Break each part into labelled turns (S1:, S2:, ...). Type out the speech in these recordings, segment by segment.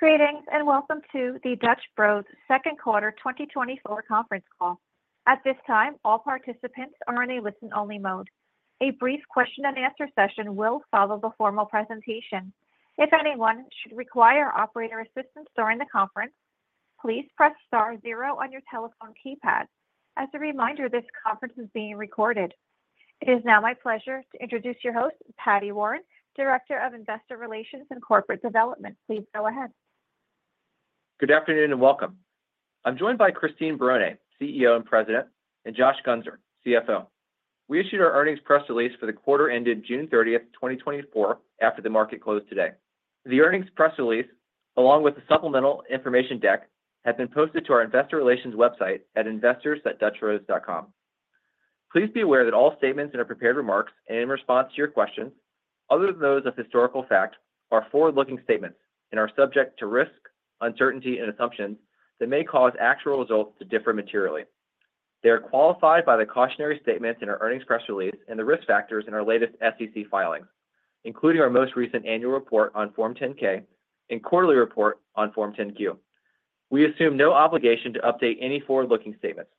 S1: Greetings, and welcome to the Dutch Bros second quarter 2024 conference call. At this time, all participants are in a listen-only mode. A brief question and answer session will follow the formal presentation. If anyone should require operator assistance during the conference, please press star zero on your telephone keypad. As a reminder, this conference is being recorded. It is now my pleasure to introduce your host, Patty Warren, Director of Investor Relations and Corporate Development. Please go ahead.
S2: Good afternoon, and welcome. I'm joined by Christine Barone, CEO and President, and Josh Guenser, CFO. We issued our earnings press release for the quarter ended June 30, 2024, after the market closed today. The earnings press release, along with the supplemental information deck, has been posted to our investor relations website at investors.dutchbros.com. Please be aware that all statements in our prepared remarks and in response to your questions, other than those of historical fact, are forward-looking statements and are subject to risk, uncertainty, and assumptions that may cause actual results to differ materially. They are qualified by the cautionary statements in our earnings press release and the risk factors in our latest SEC filings, including our most recent annual report on Form 10-K and quarterly report on Form 10-Q. We assume no obligation to update any forward-looking statements.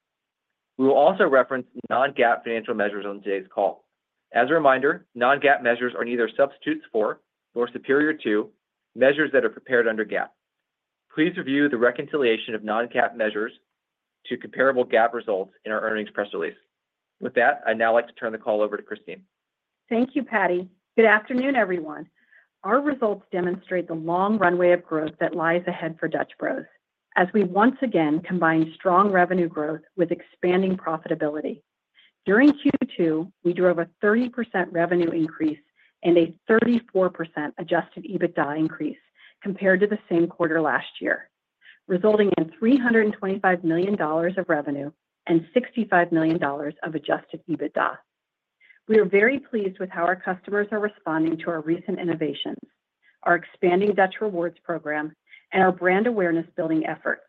S2: We will also reference non-GAAP financial measures on today's call. As a reminder, non-GAAP measures are neither substitutes for nor superior to measures that are prepared under GAAP. Please review the reconciliation of non-GAAP measures to comparable GAAP results in our earnings press release. With that, I'd now like to turn the call over to Christine.
S3: Thank you, Patty. Good afternoon, everyone. Our results demonstrate the long runway of growth that lies ahead for Dutch Bros, as we once again combine strong revenue growth with expanding profitability. During Q2, we drove a 30% revenue increase and a 34% Adjusted EBITDA increase compared to the same quarter last year, resulting in $325 million of revenue and $65 million of Adjusted EBITDA. We are very pleased with how our customers are responding to our recent innovations, our expanding Dutch Rewards program, and our brand awareness building efforts.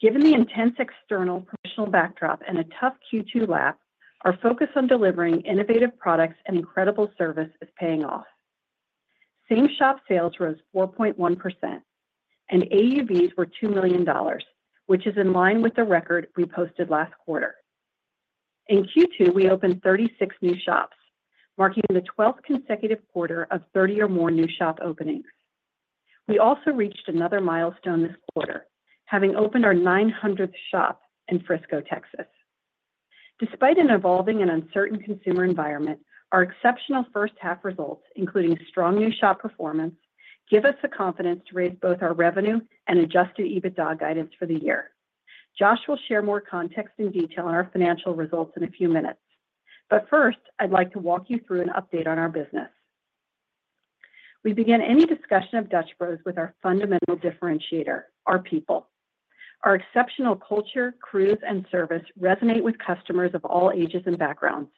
S3: Given the intense external promotional backdrop and a tough Q2 lap, our focus on delivering innovative products and incredible service is paying off. Same-shop sales rose 4.1%, and AUVs were $2 million, which is in line with the record we posted last quarter. In Q2, we opened 36 new shops, marking the 12th consecutive quarter of 30 or more new shop openings. We also reached another milestone this quarter, having opened our 900th shop in Frisco, Texas. Despite an evolving and uncertain consumer environment, our exceptional first half results, including strong new shop performance, give us the confidence to raise both our revenue and Adjusted EBITDA guidance for the year. Josh will share more context and detail on our financial results in a few minutes, but first, I'd like to walk you through an update on our business. We begin any discussion of Dutch Bros with our fundamental differentiator, our people. Our exceptional culture, crews, and service resonate with customers of all ages and backgrounds.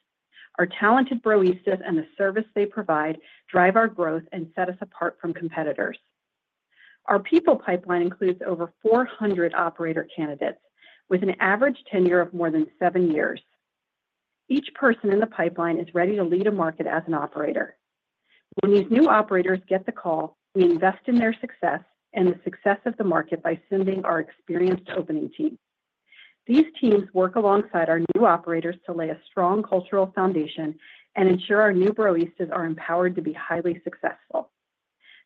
S3: Our talented Broistas and the service they provide drive our growth and set us apart from competitors. Our people pipeline includes over 400 operator candidates, with an average tenure of more than 7 years. Each person in the pipeline is ready to lead a market as an operator. When these new operators get the call, we invest in their success and the success of the market by sending our experienced opening team. These teams work alongside our new operators to lay a strong cultural foundation and ensure our new Broistas are empowered to be highly successful.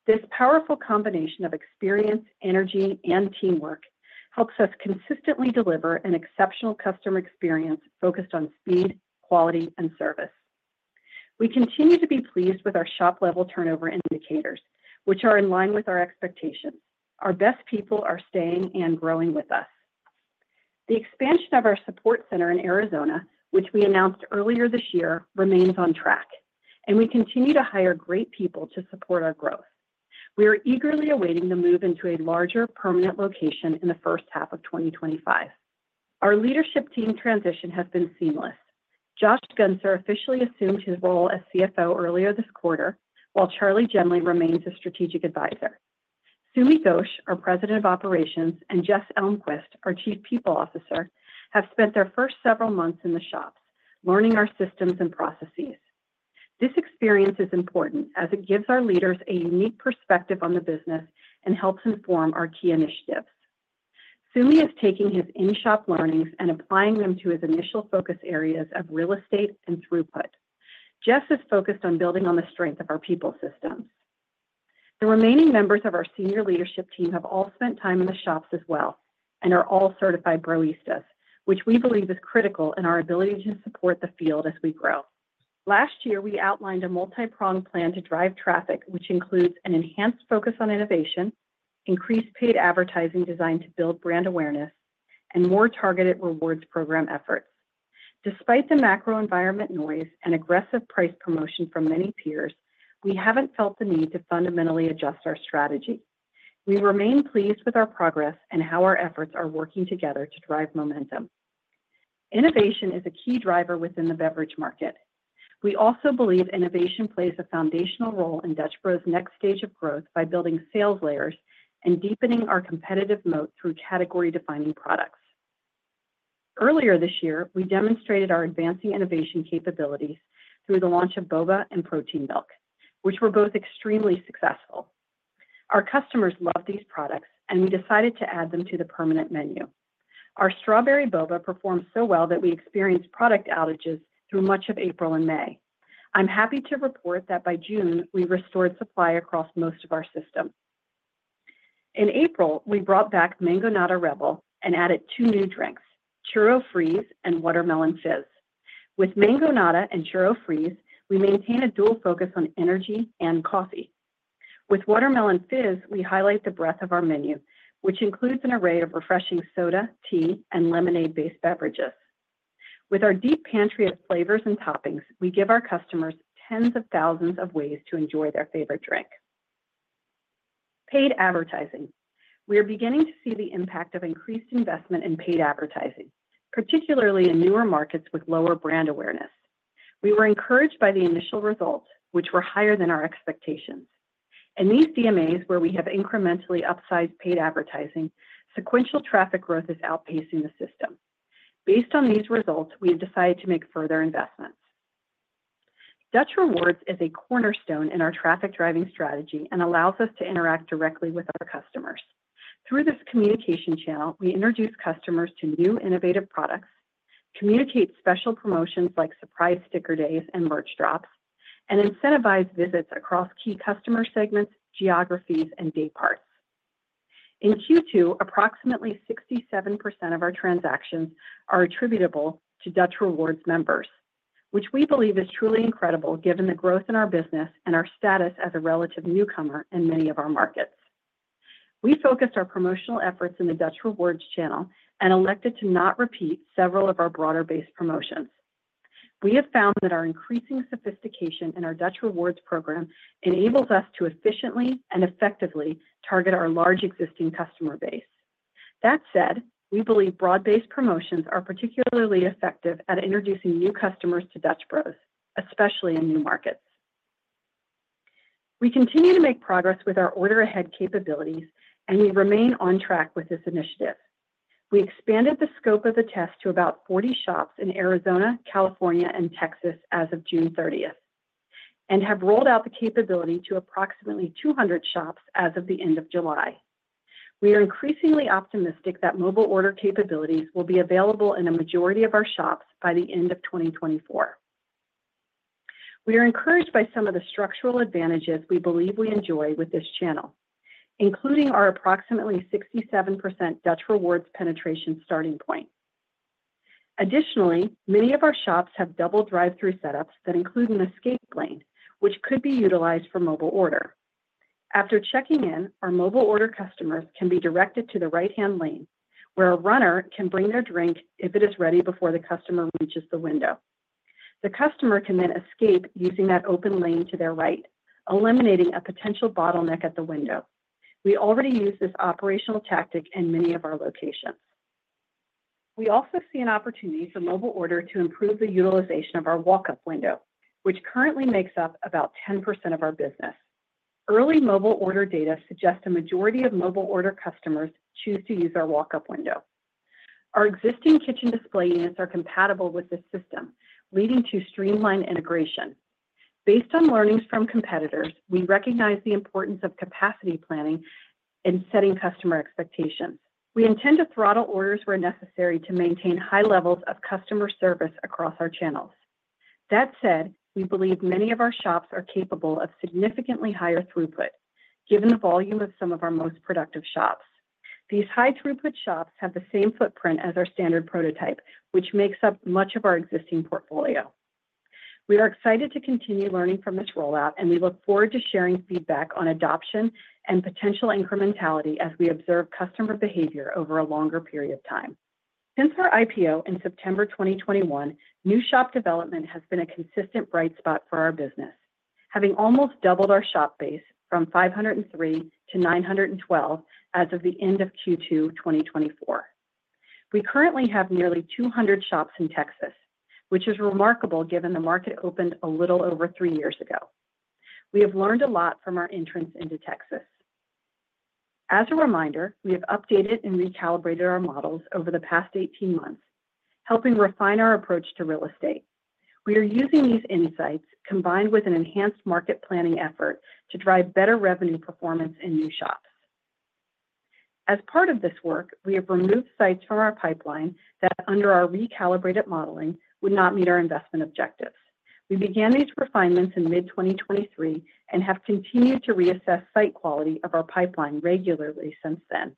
S3: This powerful combination of experience, energy, and teamwork helps us consistently deliver an exceptional customer experience focused on speed, quality, and service. We continue to be pleased with our shop-level turnover indicators, which are in line with our expectations. Our best people are staying and growing with us. The expansion of our support center in Arizona, which we announced earlier this year, remains on track, and we continue to hire great people to support our growth. We are eagerly awaiting the move into a larger, permanent location in the first half of 2025. Our leadership team transition has been seamless. Josh Guenser officially assumed his role as CFO earlier this quarter, while Charley Jemley remains a strategic advisor. Sumi Ghosh, our President of Operations, and Jess Elmquist, our Chief People Officer, have spent their first several months in the shops learning our systems and processes. This experience is important as it gives our leaders a unique perspective on the business and helps inform our key initiatives. Sumi is taking his in-shop learnings and applying them to his initial focus areas of real estate and throughput. Jess is focused on building on the strength of our people systems. The remaining members of our senior leadership team have all spent time in the shops as well and are all certified Broistas, which we believe is critical in our ability to support the field as we grow. Last year, we outlined a multi-pronged plan to drive traffic, which includes an enhanced focus on innovation, increased paid advertising designed to build brand awareness, and more targeted rewards program efforts. Despite the macro environment noise and aggressive price promotion from many peers, we haven't felt the need to fundamentally adjust our strategy. We remain pleased with our progress and how our efforts are working together to drive momentum. Innovation is a key driver within the beverage market. We also believe innovation plays a foundational role in Dutch Bros' next stage of growth by building sales layers and deepening our competitive moat through category-defining products.... Earlier this year, we demonstrated our advancing innovation capabilities through the launch of Boba and Protein Milk, which were both extremely successful. Our customers love these products, and we decided to add them to the permanent menu. Our Strawberry Boba performed so well that we experienced product outages through much of April and May. I'm happy to report that by June, we restored supply across most of our system. In April, we brought back Mangonada Rebel and added two new drinks, Churro Freeze and Watermelon Fizz. With Mangonada and Churro Freeze, we maintain a dual focus on energy and coffee. With Watermelon Fizz, we highlight the breadth of our menu, which includes an array of refreshing soda, tea, and lemonade-based beverages. With our deep pantry of flavors and toppings, we give our customers tens of thousands of ways to enjoy their favorite drink. Paid advertising. We are beginning to see the impact of increased investment in paid advertising, particularly in newer markets with lower brand awareness. We were encouraged by the initial results, which were higher than our expectations. In these DMAs, where we have incrementally upsized paid advertising, sequential traffic growth is outpacing the system. Based on these results, we have decided to make further investments. Dutch Rewards is a cornerstone in our traffic-driving strategy and allows us to interact directly with our customers. Through this communication channel, we introduce customers to new innovative products, communicate special promotions like surprise sticker days and merch drops, and incentivize visits across key customer segments, geographies, and day parts. In Q2, approximately 67% of our transactions are attributable to Dutch Rewards members, which we believe is truly incredible given the growth in our business and our status as a relative newcomer in many of our markets. We focused our promotional efforts in the Dutch Rewards channel and elected to not repeat several of our broader-based promotions. We have found that our increasing sophistication in our Dutch Rewards program enables us to efficiently and effectively target our large existing customer base. That said, we believe broad-based promotions are particularly effective at introducing new customers to Dutch Bros, especially in new markets. We continue to make progress with our order-ahead capabilities, and we remain on track with this initiative. We expanded the scope of the test to about 40 shops in Arizona, California, and Texas as of June 30th, and have rolled out the capability to approximately 200 shops as of the end of July. We are increasingly optimistic that mobile order capabilities will be available in a majority of our shops by the end of 2024. We are encouraged by some of the structural advantages we believe we enjoy with this channel, including our approximately 67% Dutch Rewards penetration starting point. Additionally, many of our shops have double drive-thru setups that include an escape lane, which could be utilized for mobile order. After checking in, our mobile order customers can be directed to the right-hand lane, where a runner can bring their drink if it is ready before the customer reaches the window. The customer can then escape using that open lane to their right, eliminating a potential bottleneck at the window. We already use this operational tactic in many of our locations. We also see an opportunity for mobile order to improve the utilization of our walk-up window, which currently makes up about 10% of our business. Early mobile order data suggest a majority of mobile order customers choose to use our walk-up window. Our existing kitchen display units are compatible with this system, leading to streamlined integration. Based on learnings from competitors, we recognize the importance of capacity planning and setting customer expectations. We intend to throttle orders where necessary to maintain high levels of customer service across our channels. That said, we believe many of our shops are capable of significantly higher throughput, given the volume of some of our most productive shops. These high-throughput shops have the same footprint as our standard prototype, which makes up much of our existing portfolio. We are excited to continue learning from this rollout, and we look forward to sharing feedback on adoption and potential incrementality as we observe customer behavior over a longer period of time. Since our IPO in September 2021, new shop development has been a consistent bright spot for our business, having almost doubled our shop base from 503 to 912 as of the end of Q2 2024. We currently have nearly 200 shops in Texas, which is remarkable given the market opened a little over three years ago. We have learned a lot from our entrance into Texas. As a reminder, we have updated and recalibrated our models over the past 18 months, helping refine our approach to real estate. We are using these insights, combined with an enhanced market planning effort, to drive better revenue performance in new shops. As part of this work, we have removed sites from our pipeline that, under our recalibrated modeling, would not meet our investment objectives. We began these refinements in mid-2023 and have continued to reassess site quality of our pipeline regularly since then.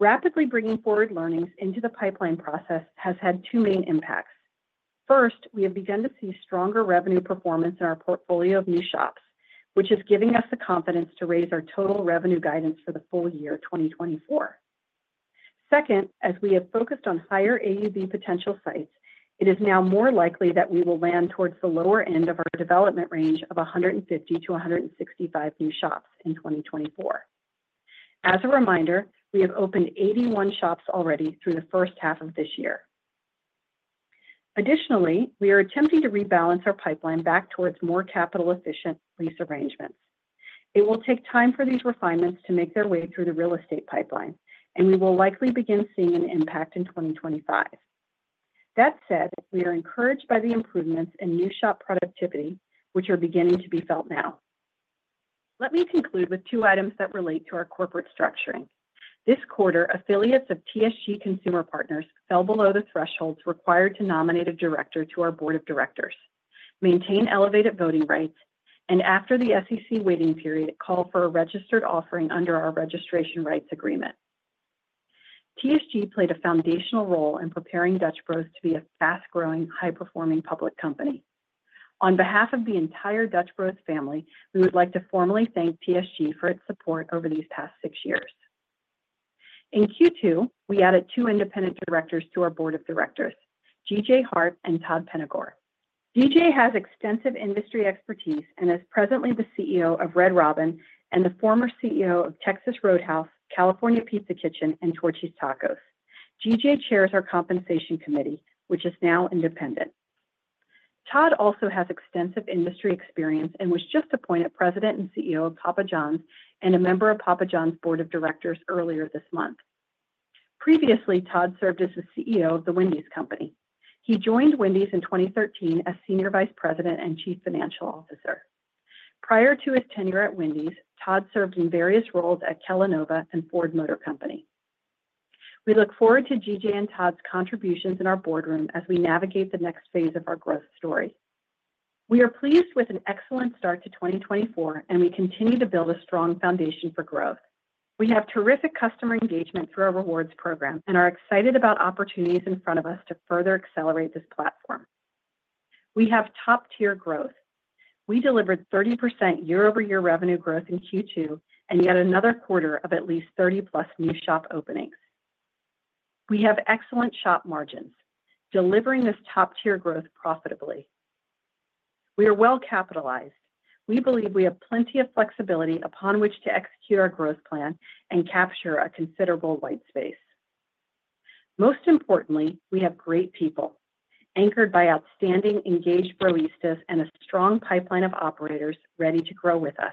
S3: Rapidly bringing forward learnings into the pipeline process has had two main impacts. First, we have begun to see stronger revenue performance in our portfolio of new shops, which is giving us the confidence to raise our total revenue guidance for the full year 2024. Second, as we have focused on higher AUV potential sites, it is now more likely that we will land towards the lower end of our development range of 150-165 new shops in 2024. As a reminder, we have opened 81 shops already through the first half of this year. Additionally, we are attempting to rebalance our pipeline back towards more capital-efficient lease arrangements. It will take time for these refinements to make their way through the real estate pipeline, and we will likely begin seeing an impact in 2025. That said, we are encouraged by the improvements in new shop productivity, which are beginning to be felt now. Let me conclude with two items that relate to our corporate structuring. This quarter, affiliates of TSG Consumer Partners fell below the thresholds required to nominate a director to our board of directors, maintain elevated voting rights, and after the SEC waiting period, call for a registered offering under our registration rights agreement. TSG played a foundational role in preparing Dutch Bros to be a fast-growing, high-performing public company. On behalf of the entire Dutch Bros family, we would like to formally thank TSG for its support over these past six years. In Q2, we added two independent directors to our board of directors, GJ Hart and Todd Penegor. GJ has extensive industry expertise and is presently the CEO of Red Robin and the former CEO of Texas Roadhouse, California Pizza Kitchen, and Torchy's Tacos. GJ chairs our compensation committee, which is now independent. Todd also has extensive industry experience and was just appointed President and CEO of Papa John's and a member of Papa John's board of directors earlier this month. Previously, Todd served as the CEO of The Wendy's Company. He joined Wendy's in 2013 as Senior Vice President and Chief Financial Officer. Prior to his tenure at Wendy's, Todd served in various roles at Kellanova and Ford Motor Company. We look forward to GJ and Todd's contributions in our boardroom as we navigate the next phase of our growth story. We are pleased with an excellent start to 2024, and we continue to build a strong foundation for growth. We have terrific customer engagement through our rewards program and are excited about opportunities in front of us to further accelerate this platform. We have top-tier growth. We delivered 30% year-over-year revenue growth in Q2, and yet another quarter of at least 30+ new shop openings. We have excellent shop margins, delivering this top-tier growth profitably. We are well capitalized. We believe we have plenty of flexibility upon which to execute our growth plan and capture a considerable white space. Most importantly, we have great people, anchored by outstanding, engaged Broistas and a strong pipeline of operators ready to grow with us.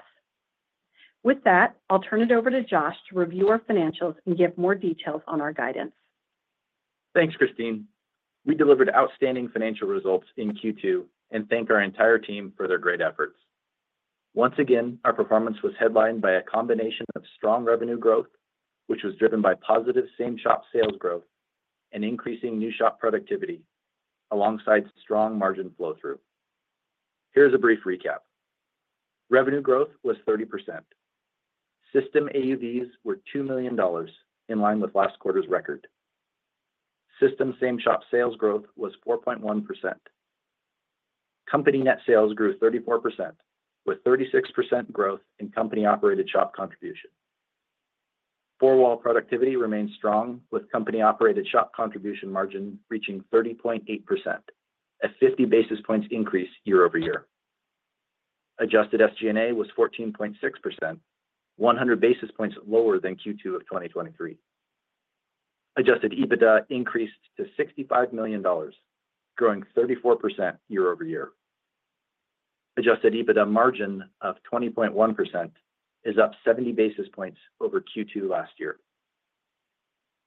S3: With that, I'll turn it over to Josh to review our financials and give more details on our guidance.
S4: Thanks, Christine. We delivered outstanding financial results in Q2, and thank our entire team for their great efforts. Once again, our performance was headlined by a combination of strong revenue growth, which was driven by positive same-shop sales growth and increasing new shop productivity alongside strong margin flow through. Here's a brief recap. Revenue growth was 30%. System AUVs were $2 million, in line with last quarter's record. System same shop sales growth was 4.1%. Company net sales grew 34%, with 36% growth in company-operated shop contribution. Four-wall productivity remains strong, with company-operated shop contribution margin reaching 30.8%, a 50 basis points increase year-over-year. Adjusted SG&A was 14.6%, 100 basis points lower than Q2 of 2023. Adjusted EBITDA increased to $65 million, growing 34% year-over-year. Adjusted EBITDA margin of 20.1% is up 70 basis points over Q2 last year.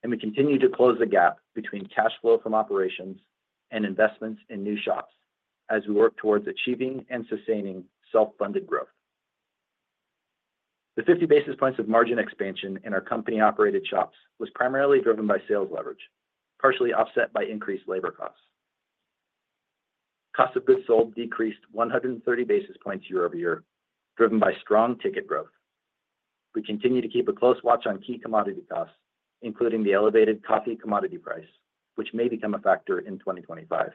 S4: We continue to close the gap between cash flow from operations and investments in new shops as we work towards achieving and sustaining self-funded growth. The 50 basis points of margin expansion in our company-operated shops was primarily driven by sales leverage, partially offset by increased labor costs. Cost of goods sold decreased 130 basis points year-over-year, driven by strong ticket growth. We continue to keep a close watch on key commodity costs, including the elevated coffee commodity price, which may become a factor in 2025.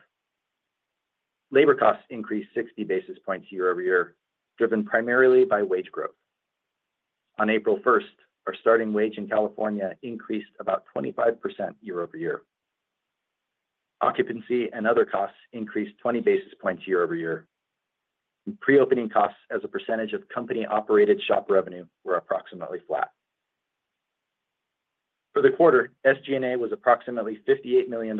S4: Labor costs increased 60 basis points year-over-year, driven primarily by wage growth. On April 1, our starting wage in California increased about 25% year-over-year. Occupancy and other costs increased 20 basis points year-over-year. Pre-opening costs as a percentage of company-operated shop revenue were approximately flat. For the quarter, SG&A was approximately $58 million,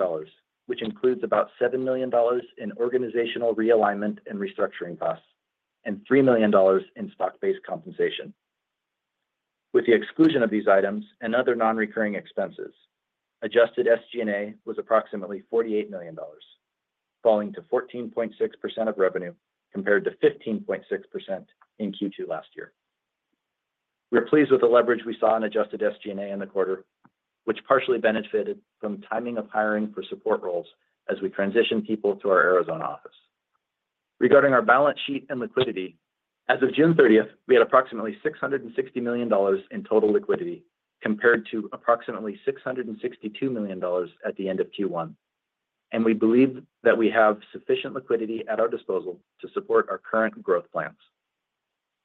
S4: which includes about $7 million in organizational realignment and restructuring costs, and $3 million in stock-based compensation. With the exclusion of these items and other non-recurring expenses, adjusted SG&A was approximately $48 million, falling to 14.6% of revenue, compared to 15.6% in Q2 last year. We are pleased with the leverage we saw in adjusted SG&A in the quarter, which partially benefited from timing of hiring for support roles as we transition people to our Arizona office. Regarding our balance sheet and liquidity, as of June 30th, we had approximately $660 million in total liquidity, compared to approximately $662 million at the end of Q1, and we believe that we have sufficient liquidity at our disposal to support our current growth plans.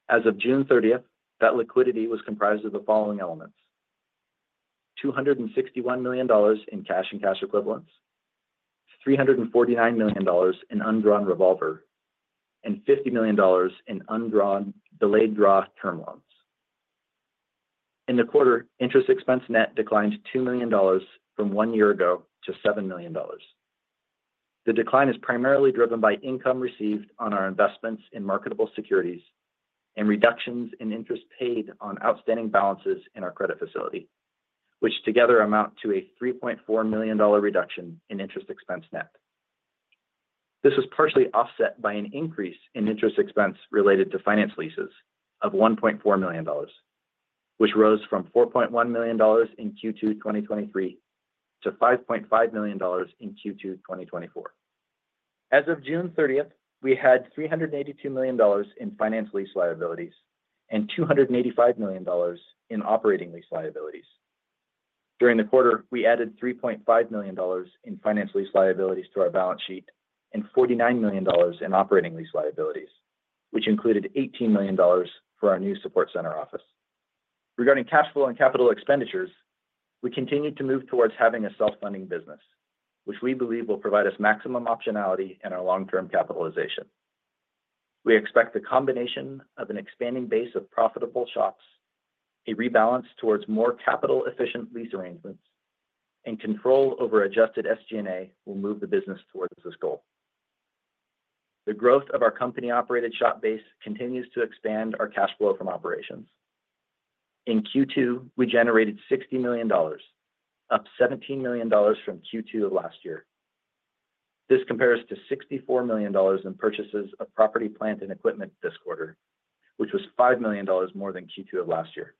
S4: As of June 30th, that liquidity was comprised of the following elements: $261 million in cash and cash equivalents, $349 million in undrawn revolver, and $50 million in undrawn delayed draw term loans.... In the quarter, interest expense net declined $2 million from one year ago to $7 million. The decline is primarily driven by income received on our investments in marketable securities and reductions in interest paid on outstanding balances in our credit facility, which together amount to a $3.4 million reduction in interest expense net. This was partially offset by an increase in interest expense related to finance leases of $1.4 million, which rose from $4.1 million in Q2 2023 to $5.5 million in Q2 2024. As of June 30th, we had $382 million in finance lease liabilities and $285 million in operating lease liabilities. During the quarter, we added $3.5 million in finance lease liabilities to our balance sheet and $49 million in operating lease liabilities, which included $18 million for our new support center office. Regarding cash flow and capital expenditures, we continued to move towards having a self-funding business, which we believe will provide us maximum optionality in our long-term capitalization. We expect the combination of an expanding base of profitable shops, a rebalance towards more capital-efficient lease arrangements, and control over adjusted SG&A will move the business towards this goal. The growth of our company-operated shop base continues to expand our cash flow from operations. In Q2, we generated $60 million, up $17 million from Q2 of last year. This compares to $64 million in purchases of property, plant, and equipment this quarter, which was $5 million more than Q2 of last year.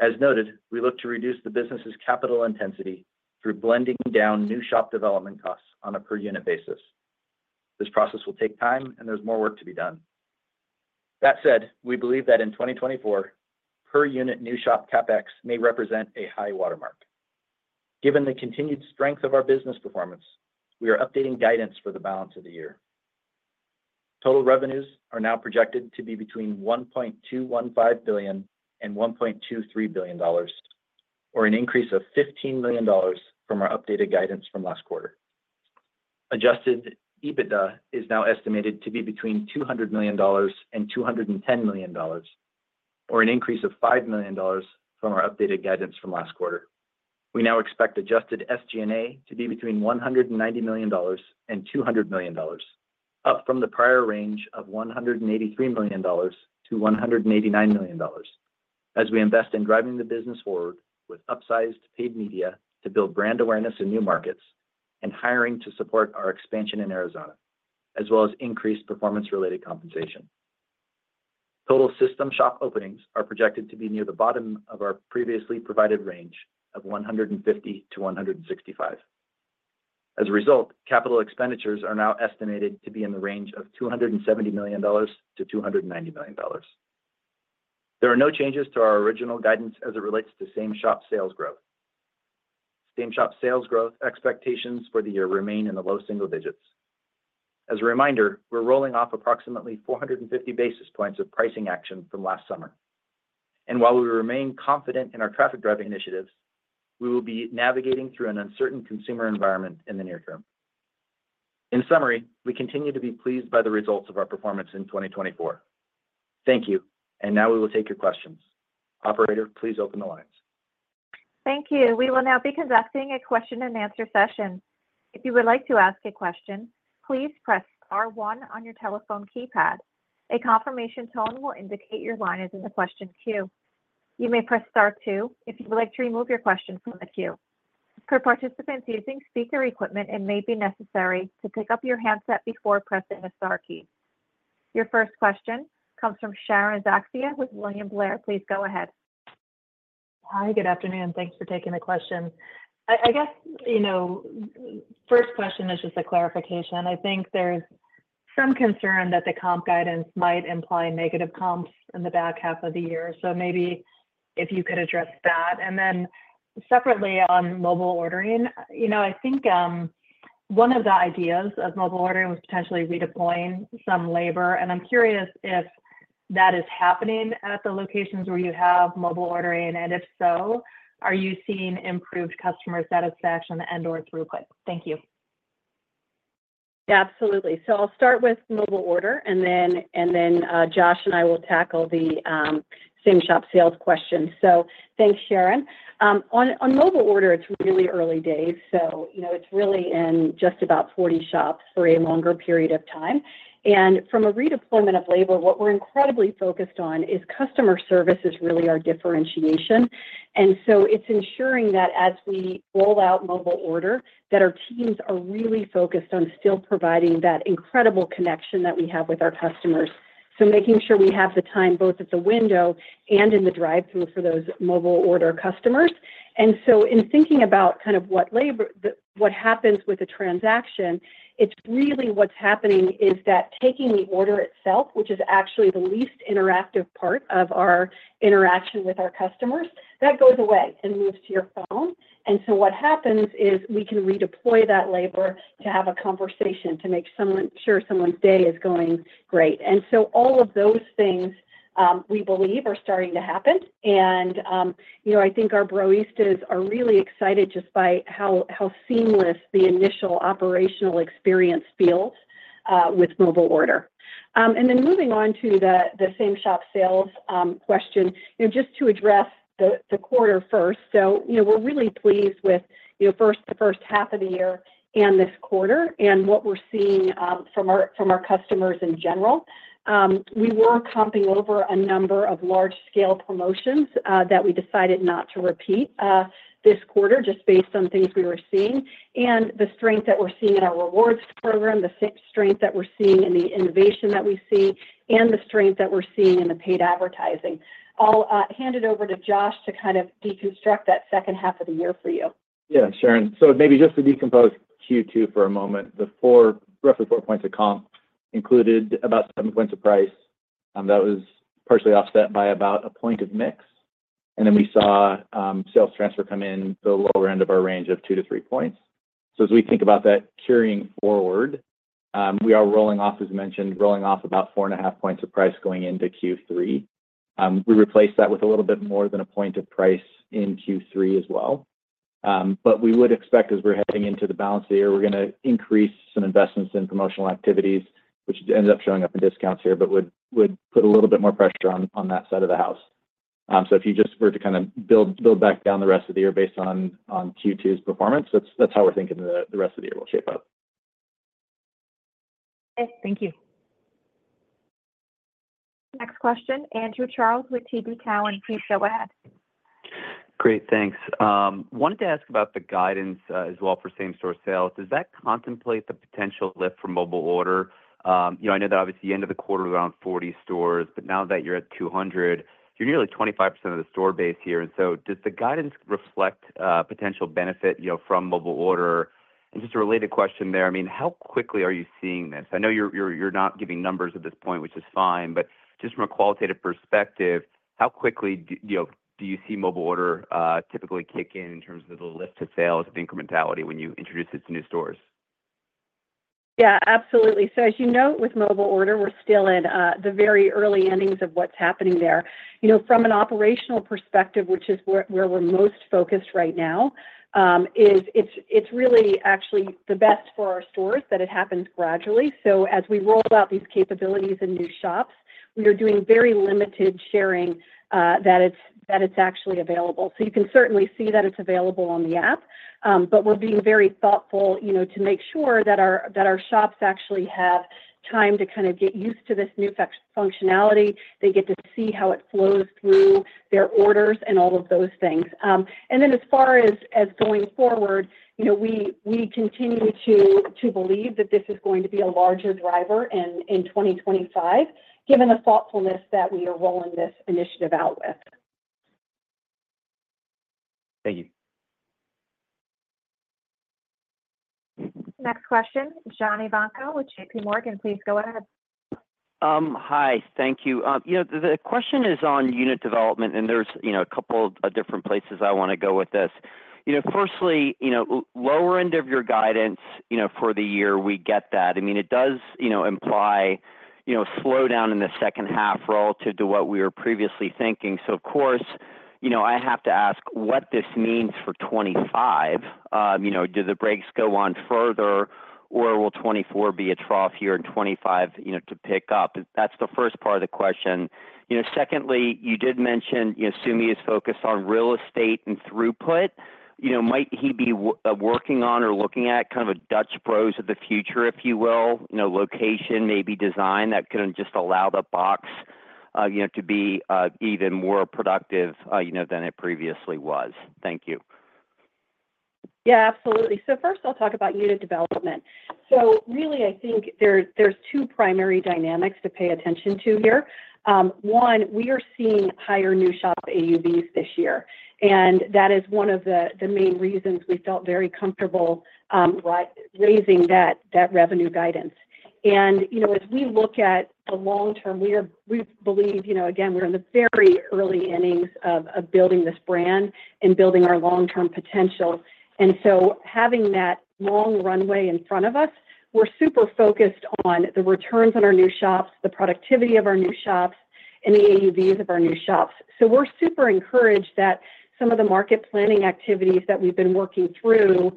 S4: As noted, we look to reduce the business's capital intensity through blending down new shop development costs on a per unit basis. This process will take time, and there's more work to be done. That said, we believe that in 2024, per unit new shop CapEx may represent a high watermark. Given the continued strength of our business performance, we are updating guidance for the balance of the year. Total revenues are now projected to be between $1.215 billion and $1.23 billion, or an increase of $15 million from our updated guidance from last quarter. Adjusted EBITDA is now estimated to be between $200 million and $210 million, or an increase of $5 million from our updated guidance from last quarter. We now expect adjusted SG&A to be between $190 million and $200 million, up from the prior range of $183 million to $189 million, as we invest in driving the business forward with upsized paid media to build brand awareness in new markets and hiring to support our expansion in Arizona, as well as increased performance-related compensation. Total system shop openings are projected to be near the bottom of our previously provided range of 150-165. As a result, capital expenditures are now estimated to be in the range of $270 million-$290 million. There are no changes to our original guidance as it relates to same-shop sales growth. Same-shop sales growth expectations for the year remain in the low single digits. As a reminder, we're rolling off approximately 450 basis points of pricing action from last summer, and while we remain confident in our traffic-driving initiatives, we will be navigating through an uncertain consumer environment in the near term. In summary, we continue to be pleased by the results of our performance in 2024. Thank you, and now we will take your questions. Operator, please open the lines.
S1: Thank you. We will now be conducting a question-and-answer session. If you would like to ask a question, please press star one on your telephone keypad. A confirmation tone will indicate your line is in the question queue. You may press star two if you would like to remove your question from the queue. For participants using speaker equipment, it may be necessary to pick up your handset before pressing the star key. Your first question comes from Sharon Zackfia with William Blair. Please go ahead.
S5: Hi, good afternoon. Thanks for taking the question. I, I guess, you know, first question is just a clarification. I think there's some concern that the comp guidance might imply negative comps in the back half of the year, so maybe if you could address that. And then separately, on mobile ordering, you know, I think, one of the ideas of mobile ordering was potentially redeploying some labor, and I'm curious if that is happening at the locations where you have mobile ordering, and if so, are you seeing improved customer satisfaction and/or throughput? Thank you.
S3: Absolutely. So I'll start with mobile order, and then, and then, Josh and I will tackle the same-shop sales question. So thanks, Sharon. On, on mobile order, it's really early days, so, you know, it's really in just about 40 shops for a longer period of time. And from a redeployment of labor, what we're incredibly focused on is customer service is really our differentiation. And so it's ensuring that as we roll out mobile order, that our teams are really focused on still providing that incredible connection that we have with our customers. So making sure we have the time, both at the window and in the drive-thru, for those mobile order customers. And so in thinking about kind of what labor, what happens with a transaction, it's really what's happening is that taking the order itself, which is actually the least interactive part of our interaction with our customers, that goes away and moves to your phone. And so what happens is we can redeploy that labor to have a conversation, to make sure someone's day is going great. And so all of those things, we believe are starting to happen. And, you know, I think our baristas are really excited just by how seamless the initial operational experience feels with mobile order. And then moving on to the same-shop sales question, you know, just to address the quarter first. So, you know, we're really pleased with, you know, first, the first half of the year and this quarter, and what we're seeing, from our, from our customers in general. We were comping over a number of large-scale promotions, that we decided not to repeat, this quarter, just based on things we were seeing. And the strength that we're seeing in our rewards program, the same strength that we're seeing, and the innovation that we see, and the strength that we're seeing in the paid advertising. I'll, hand it over to Josh to kind of deconstruct that second half of the year for you.
S4: Yeah, Sharon. So maybe just to decompose Q2 for a moment, the roughly 4 points of comp included about 7 points of price, that was partially offset by about 1 point of mix. And then we saw sales transfer come in the lower end of our range of 2-3 points. So as we think about that carrying forward, we are rolling off, as mentioned, rolling off about 4.5 points of price going into Q3. We replaced that with a little bit more than 1 point of price in Q3 as well. But we would expect, as we're heading into the balance of the year, we're gonna increase some investments in promotional activities, which ended up showing up in discounts here, but would put a little bit more pressure on that side of the house. So, if you just were to kind of build back down the rest of the year based on Q2's performance, that's how we're thinking the rest of the year will shape up.
S5: Thank you.
S1: Next question, Andrew Charles with TD Cowen. Please, go ahead.
S6: Great. Thanks. Wanted to ask about the guidance, as well for same-store sales. Does that contemplate the potential lift for mobile order? You know, I know that obviously end of the quarter was around 40 stores, but now that you're at 200, you're nearly 25% of the store base here. And so does the guidance reflect potential benefit, you know, from mobile order? And just a related question there, I mean, how quickly are you seeing this? I know you're not giving numbers at this point, which is fine, but just from a qualitative perspective, how quickly do you see mobile order typically kick in in terms of the lift to sales and incrementality when you introduce it to new stores?
S3: Yeah, absolutely. So as you know, with mobile order, we're still in the very early innings of what's happening there. You know, from an operational perspective, which is where we're most focused right now, is it's really actually the best for our stores that it happens gradually. So as we roll out these capabilities in new shops, we are doing very limited sharing that it's actually available. So you can certainly see that it's available on the app, but we're being very thoughtful, you know, to make sure that our shops actually have time to kind of get used to this new functionality. They get to see how it flows through their orders and all of those things. And then as far as going forward, you know, we continue to believe that this is going to be a larger driver in 2025, given the thoughtfulness that we are rolling this initiative out with.
S6: Thank you.
S1: Next question, John Ivankoe with JP Morgan. Please go ahead.
S7: Hi, thank you. You know, the question is on unit development, and there's, you know, a couple of different places I wanna go with this. You know, firstly, you know, lower end of your guidance, you know, for the year, we get that. I mean, it does, you know, imply, you know, slow down in the second half relative to what we were previously thinking. So of course, you know, I have to ask what this means for 25. You know, do the breaks go on further, or will 24 be a trough year and 25, you know, to pick up? That's the first part of the question. You know, secondly, you did mention, you know, Sumi is focused on real estate and throughput. You know, might he be working on or looking at kind of a Dutch Bros of the future, if you will? You know, location, maybe design, that can just allow the box, you know, to be even more productive, you know, than it previously was. Thank you.
S3: Yeah, absolutely. So first, I'll talk about unit development. So really, I think there, there's two primary dynamics to pay attention to here. One, we are seeing higher new shop AUVs this year, and that is one of the main reasons we felt very comfortable raising that revenue guidance. And, you know, as we look at the long term, we are—we believe, you know, again, we're in the very early innings of building this brand and building our long-term potential. And so having that long runway in front of us, we're super focused on the returns on our new shops, the productivity of our new shops, and the AUVs of our new shops. So we're super encouraged that some of the market planning activities that we've been working through,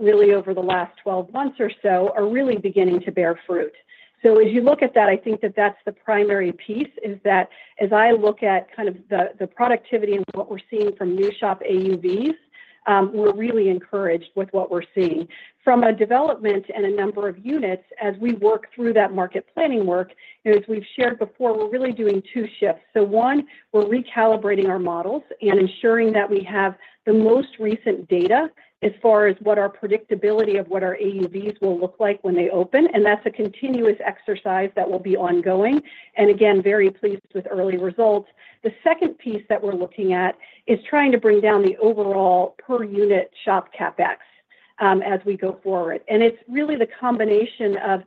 S3: really over the last 12 months or so, are really beginning to bear fruit. So as you look at that, I think that that's the primary piece, is that as I look at kind of the, the productivity and what we're seeing from new shop AUVs, we're really encouraged with what we're seeing. From a development and a number of units, as we work through that market planning work, and as we've shared before, we're really doing 2 shifts. So one, we're recalibrating our models and ensuring that we have the most recent data as far as what our predictability of what our AUVs will look like when they open, and that's a continuous exercise that will be ongoing. And again, very pleased with early results. The second piece that we're looking at is trying to bring down the overall per unit shop CapEx, as we go forward. And it's really the combination of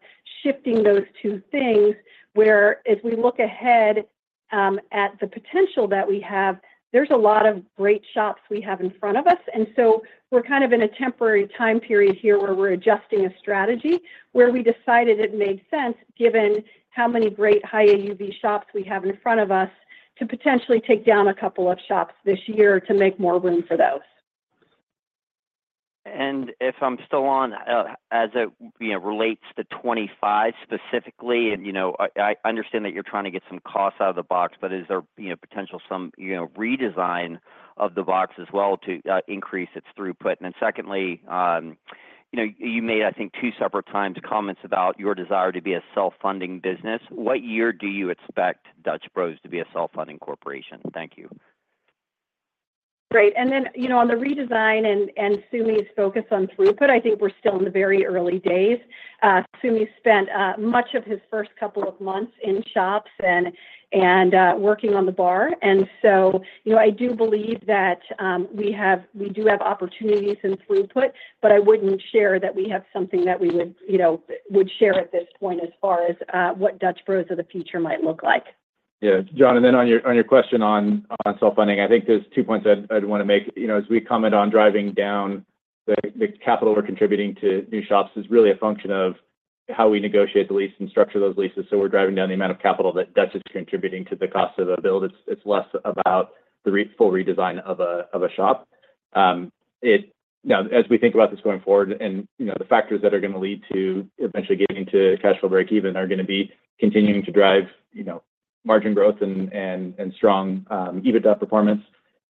S3: shifting those two things, where as we look ahead, at the potential that we have, there's a lot of great shops we have in front of us. And so we're kind of in a temporary time period here, where we're adjusting a strategy, where we decided it made sense, given how many great high AUV shops we have in front of us, to potentially take down a couple of shops this year to make more room for those. ...
S7: If I'm still on, as it, you know, relates to 25 specifically, and, you know, I understand that you're trying to get some costs out of the box, but is there, you know, potential some, you know, redesign of the box as well to increase its throughput? And then secondly, you know, you made, I think, two separate times, comments about your desire to be a self-funding business. What year do you expect Dutch Bros to be a self-funding corporation? Thank you.
S3: Great. And then, you know, on the redesign and Sumi's focus on throughput, I think we're still in the very early days. Sumi spent much of his first couple of months in shops and working on the bar. And so, you know, I do believe that we have, we do have opportunities in throughput, but I wouldn't share that we have something that we would, you know, would share at this point as far as what Dutch Bros of the future might look like.
S4: Yeah. John, and then on your question on self-funding, I think there's two points I'd wanna make. You know, as we comment on driving down the capital we're contributing to new shops is really a function of how we negotiate the lease and structure those leases. So we're driving down the amount of capital that Dutch is contributing to the cost of a build. It's less about the re-- full redesign of a shop. Now, as we think about this going forward and, you know, the factors that are gonna lead to eventually getting to cash flow break even are gonna be continuing to drive, you know, margin growth and strong EBITDA performance.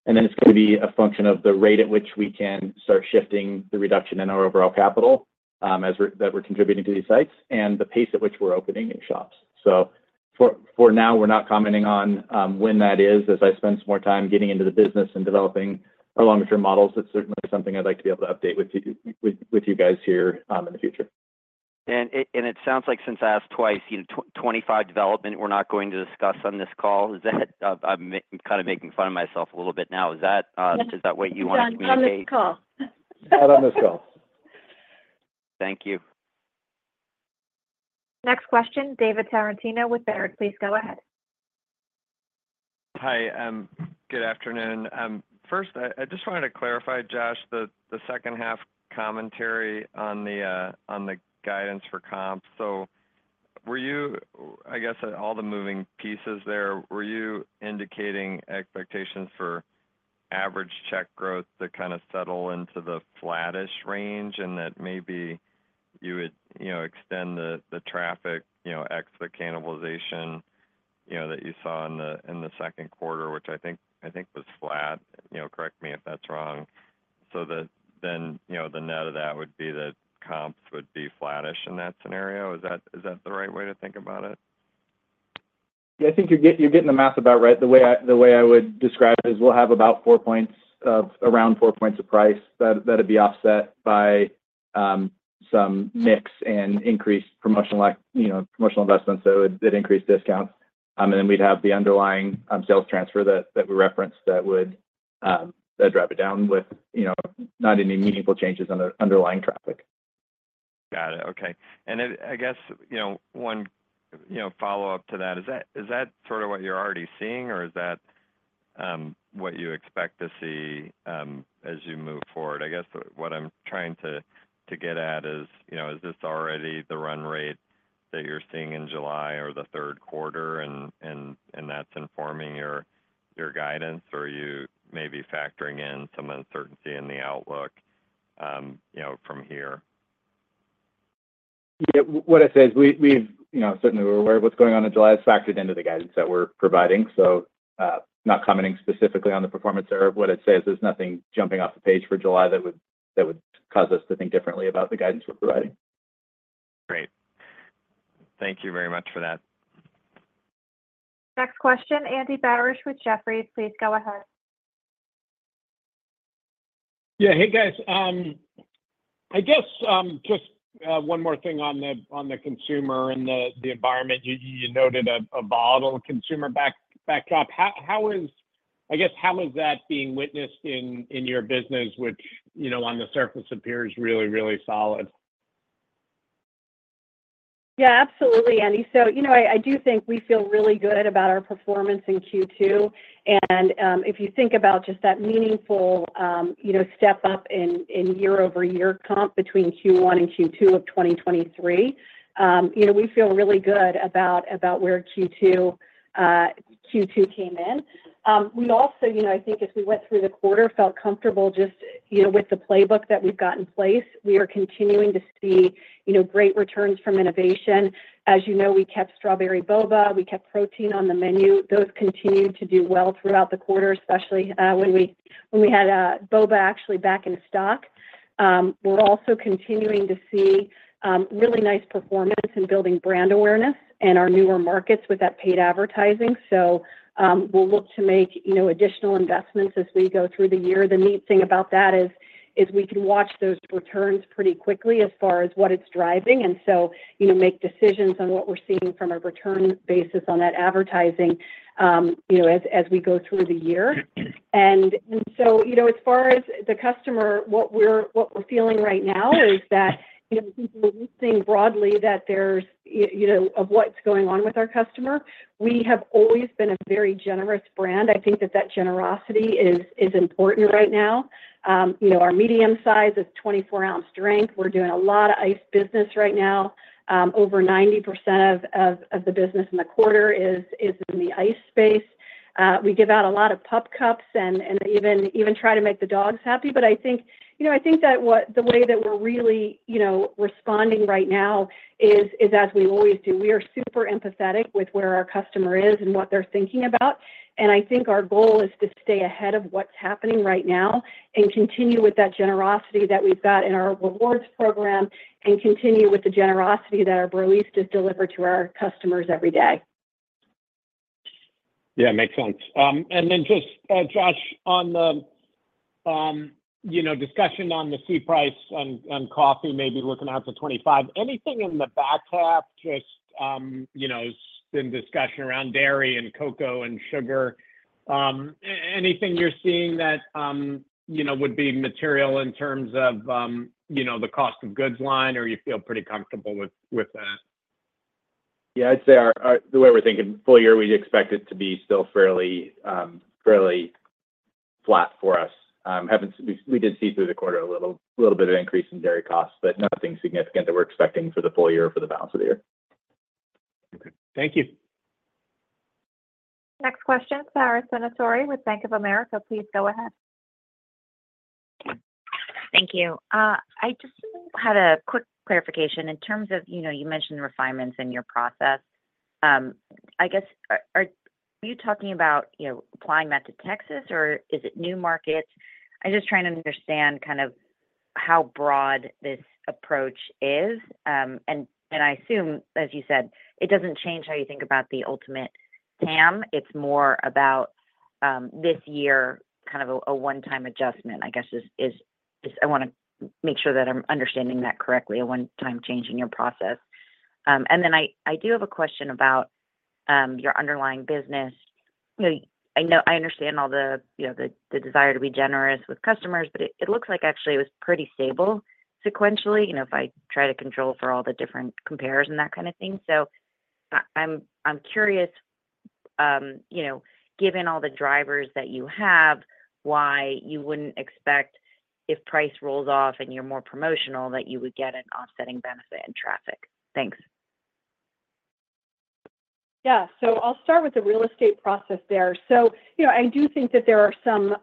S4: Then it's gonna be a function of the rate at which we can start shifting the reduction in our overall capital as we're contributing to these sites, and the pace at which we're opening new shops. So for now, we're not commenting on when that is. As I spend some more time getting into the business and developing our long-term models, that's certainly something I'd like to be able to update with you guys here in the future.
S7: It sounds like since I asked twice, you know, 25 development, we're not going to discuss on this call. Is that? I'm kinda making fun of myself a little bit now. Is that what you want to communicate?
S3: John, on this call.
S4: Not on this call.
S7: Thank you.
S1: Next question, David Tarantino with Baird. Please go ahead.
S8: Hi, good afternoon. First, I just wanted to clarify, Josh, the second half commentary on the guidance for comps. So were you—I guess, all the moving pieces there, were you indicating expectations for average check growth to kind of settle into the flattish range, and that maybe you would, you know, extend the traffic, you know, ex the cannibalization, you know, that you saw in the second quarter, which I think was flat? You know, correct me if that's wrong. So that then, you know, the net of that would be that comps would be flattish in that scenario. Is that the right way to think about it?
S4: Yeah, I think you're getting the math about right. The way I, the way I would describe it is we'll have about four points of around four points of price, that, that'd be offset by, some mix and increased promotional you know, promotional investment, so it, it increased discounts. And then we'd have the underlying, sales transfer that, that we referenced that would, drive it down with, you know, not any meaningful changes on the underlying traffic.
S8: Got it. Okay. And then, I guess, you know, one, you know, follow-up to that, is that, is that sort of what you're already seeing, or is that what you expect to see as you move forward? I guess what I'm trying to get at is, you know, is this already the run rate that you're seeing in July or the third quarter, and that's informing your guidance, or you may be factoring in some uncertainty in the outlook, you know, from here?
S4: Yeah. What I'd say is, we've, you know, certainly we're aware of what's going on in July. It's factored into the guidance that we're providing, so not commenting specifically on the performance there. What I'd say is, there's nothing jumping off the page for July that would cause us to think differently about the guidance we're providing.
S8: Great. Thank you very much for that.
S1: Next question, Andy Barish with Jefferies. Please go ahead.
S9: Yeah. Hey, guys. I guess, just one more thing on the consumer and the environment. You noted a volatile consumer backdrop. How is that being witnessed in your business, which, you know, on the surface, appears really, really solid?
S3: Yeah, absolutely, Andy. So, you know, I do think we feel really good about our performance in Q2. And if you think about just that meaningful, you know, step up in year-over-year comp between Q1 and Q2 of 2023, you know, we feel really good about where Q2 came in. We also, you know, I think as we went through the quarter, felt comfortable just, you know, with the playbook that we've got in place. We are continuing to see, you know, great returns from innovation. As you know, we kept Strawberry Boba, we kept Protein on the menu. Those continued to do well throughout the quarter, especially when we had Boba actually back in stock. We're also continuing to see really nice performance in building brand awareness in our newer markets with that paid advertising. So, we'll look to make, you know, additional investments as we go through the year. The neat thing about that is we can watch those returns pretty quickly as far as what it's driving, and so, you know, make decisions on what we're seeing from a return basis on that advertising, you know, as we go through the year. And so, you know, as far as the customer, what we're feeling right now is that, you know, we're seeing broadly that there's you know of what's going on with our customer, we have always been a very generous brand. I think that generosity is important right now. You know, our medium size is 24 ounce drink. We're doing a lot of ice business right now. Over 90% of the business in the quarter is in the ice space. We give out a lot of Pup Cups and even try to make the dogs happy. But I think, you know, I think that the way that we're really, you know, responding right now is as we always do, we are super empathetic with where our customer is and what they're thinking about. And I think our goal is to stay ahead of what's happening right now and continue with that generosity that we've got in our rewards program and continue with the generosity that our baristas deliver to our customers every day....
S9: Yeah, it makes sense. And then just, Josh, on the, you know, discussion on the C price on, on coffee, maybe looking out for 2025, anything in the back half just, you know, been discussion around dairy and cocoa and sugar. Anything you're seeing that, you know, would be material in terms of, you know, the cost of goods line, or you feel pretty comfortable with, with that?
S4: Yeah, I'd say the way we're thinking full year, we expect it to be still fairly, fairly flat for us. We did see through the quarter a little, little bit of increase in dairy costs, but nothing significant that we're expecting for the full year or for the balance of the year.
S9: Okay. Thank you.
S1: Next question, Sara Senatore with Bank of America. Please go ahead.
S10: Thank you. I just had a quick clarification. In terms of, you know, you mentioned refinements in your process. I guess, are you talking about, you know, applying that to Texas, or is it new markets? I'm just trying to understand kind of how broad this approach is. And I assume, as you said, it doesn't change how you think about the ultimate TAM. It's more about this year, kind of a one-time adjustment, I guess, is—I want to make sure that I'm understanding that correctly, a one-time change in your process. And then I do have a question about your underlying business. You know, I know, I understand all the, you know, the desire to be generous with customers, but it looks like actually it was pretty stable sequentially, you know, if I try to control for all the different compares and that kind of thing. So I'm curious, you know, given all the drivers that you have, why you wouldn't expect if price rolls off and you're more promotional, that you would get an offsetting benefit in traffic? Thanks.
S3: Yeah. So I'll start with the real estate process there. So, you know, I do think that there are some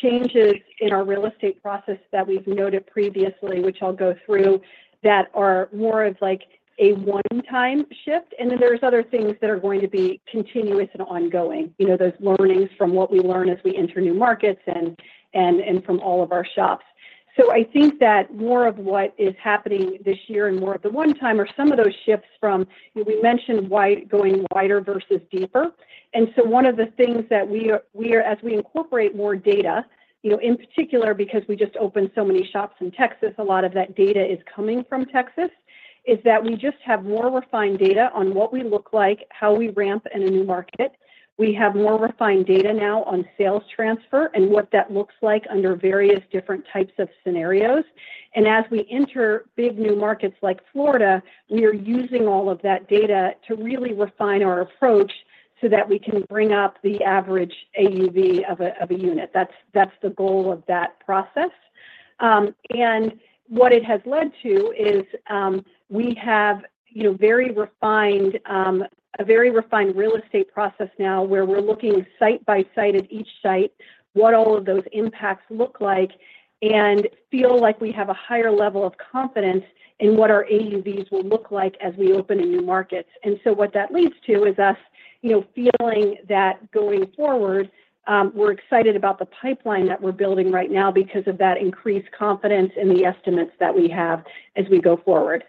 S3: changes in our real estate process that we've noted previously, which I'll go through, that are more of like a one-time shift. And then there's other things that are going to be continuous and ongoing, you know, those learnings from what we learn as we enter new markets and from all of our shops. So I think that more of what is happening this year and more of the one time are some of those shifts from, you know, we mentioned wider versus deeper. And so one of the things that we are—as we incorporate more data, you know, in particular, because we just opened so many shops in Texas, a lot of that data is coming from Texas, is that we just have more refined data on what we look like, how we ramp in a new market. We have more refined data now on sales transfer and what that looks like under various different types of scenarios. And as we enter big new markets like Florida, we are using all of that data to really refine our approach so that we can bring up the average AUV of a unit. That's the goal of that process. And what it has led to is we have, you know, very refined, a very refined real estate process now, where we're looking site by site at each site, what all of those impacts look like, and feel like we have a higher level of confidence in what our AUVs will look like as we open in new markets. And so what that leads to is us, you know, feeling that going forward, we're excited about the pipeline that we're building right now because of that increased confidence in the estimates that we have as we go forward.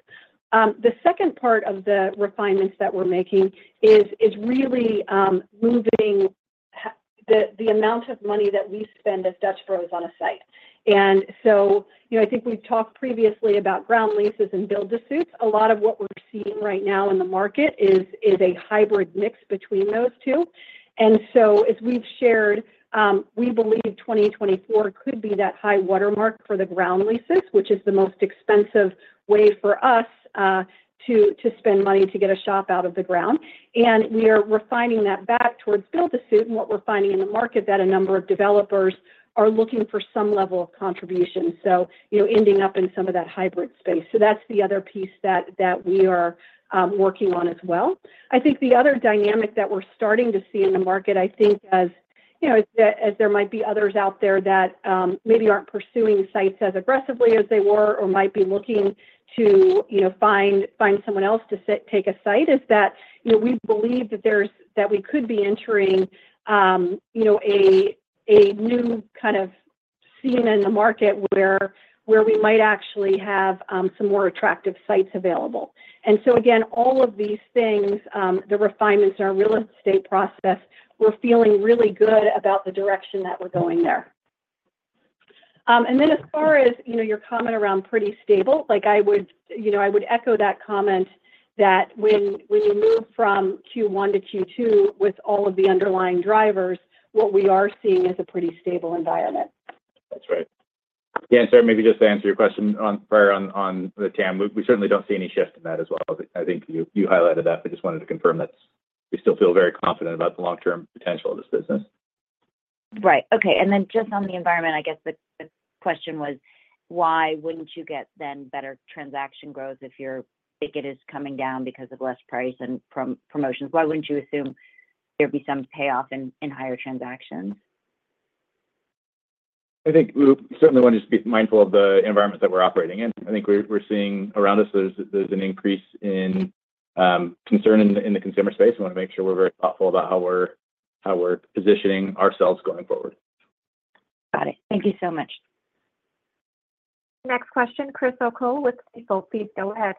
S3: The second part of the refinements that we're making is really moving the amount of money that we spend as Dutch Bros on a site. And so, you know, I think we've talked previously about ground leases and build-to-suits. A lot of what we're seeing right now in the market is a hybrid mix between those two. And so as we've shared, we believe 2024 could be that high watermark for the ground leases, which is the most expensive way for us to spend money to get a shop out of the ground. And we are refining that back towards build-to-suit, and what we're finding in the market that a number of developers are looking for some level of contribution, so, you know, ending up in some of that hybrid space. So that's the other piece that we are working on as well. I think the other dynamic that we're starting to see in the market, I think as you know, as there might be others out there that maybe aren't pursuing sites as aggressively as they were or might be looking to, you know, find someone else to take a site, is that, you know, we believe that we could be entering you know, a new kind of scene in the market where we might actually have some more attractive sites available. And so again, all of these things, the refinements in our real estate process, we're feeling really good about the direction that we're going there. And then as far as, you know, your comment around pretty stable, like, I would, you know, I would echo that comment that when we move from Q1 to Q2 with all of the underlying drivers, what we are seeing is a pretty stable environment.
S4: That's right. Yeah, and Sara, maybe just to answer your question on the TAM, we certainly don't see any shift in that as well. I think you highlighted that, but just wanted to confirm that we still feel very confident about the long-term potential of this business.
S10: Right. Okay, and then just on the environment, I guess the question was, why wouldn't you get then better transaction growth if your ticket is coming down because of less price and promotions? Why wouldn't you assume there'd be some payoff in higher transactions?
S4: I think we certainly want to just be mindful of the environment that we're operating in. I think we're seeing around us, there's an increase in concern in the consumer space. We want to make sure we're very thoughtful about how we're positioning ourselves going forward.
S10: Got it. Thank you so much....
S1: Next question, Chris O'Cull with Stifel. Please go ahead.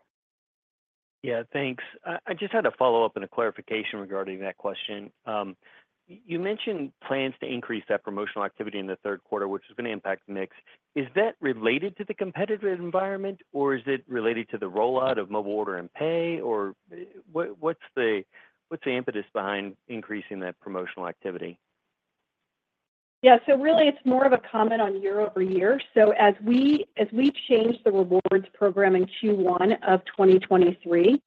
S11: Yeah, thanks. I just had a follow-up and a clarification regarding that question. You mentioned plans to increase that promotional activity in the third quarter, which is going to impact the mix. Is that related to the competitive environment, or is it related to the rollout of mobile order and pay? Or what, what's the impetus behind increasing that promotional activity?
S3: Yeah, so really it's more of a comment on year-over-year. So as we, as we changed the rewards program in Q1 of 2023,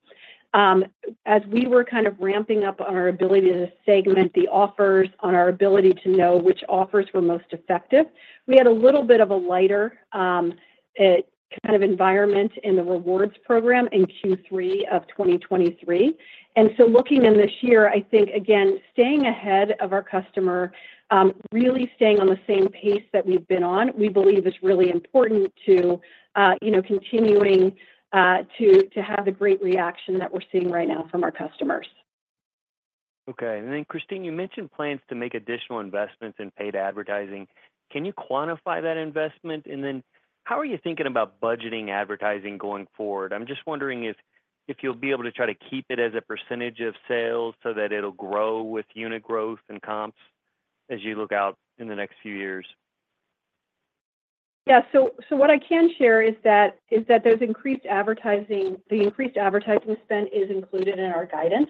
S3: as we were kind of ramping up on our ability to segment the offers, on our ability to know which offers were most effective, we had a little bit of a lighter, kind of environment in the rewards program in Q3 of 2023. And so looking in this year, I think, again, staying ahead of our customer, really staying on the same pace that we've been on, we believe is really important to, you know, continuing, to have the great reaction that we're seeing right now from our customers.
S11: Okay. And then, Christine, you mentioned plans to make additional investments in paid advertising. Can you quantify that investment? And then how are you thinking about budgeting advertising going forward? I'm just wondering if you'll be able to try to keep it as a percentage of sales so that it'll grow with unit growth and comps as you look out in the next few years.
S3: Yeah. So what I can share is that those increased advertising, the increased advertising spend is included in our guidance.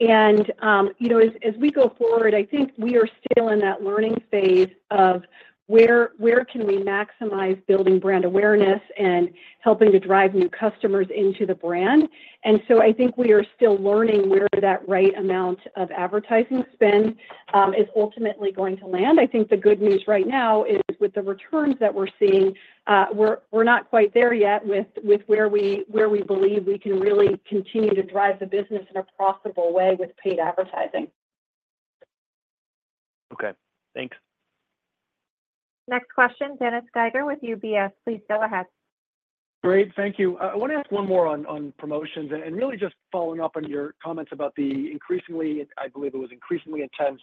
S3: And, you know, as we go forward, I think we are still in that learning phase of where can we maximize building brand awareness and helping to drive new customers into the brand. And so I think we are still learning where that right amount of advertising spend is ultimately going to land. I think the good news right now is, with the returns that we're seeing, we're not quite there yet with where we believe we can really continue to drive the business in a profitable way with paid advertising.
S11: Okay. Thanks.
S1: Next question, Dennis Geiger with UBS. Please go ahead.
S12: Great. Thank you. I want to ask one more on promotions and really just following up on your comments about the increasingly, I believe it was increasingly intense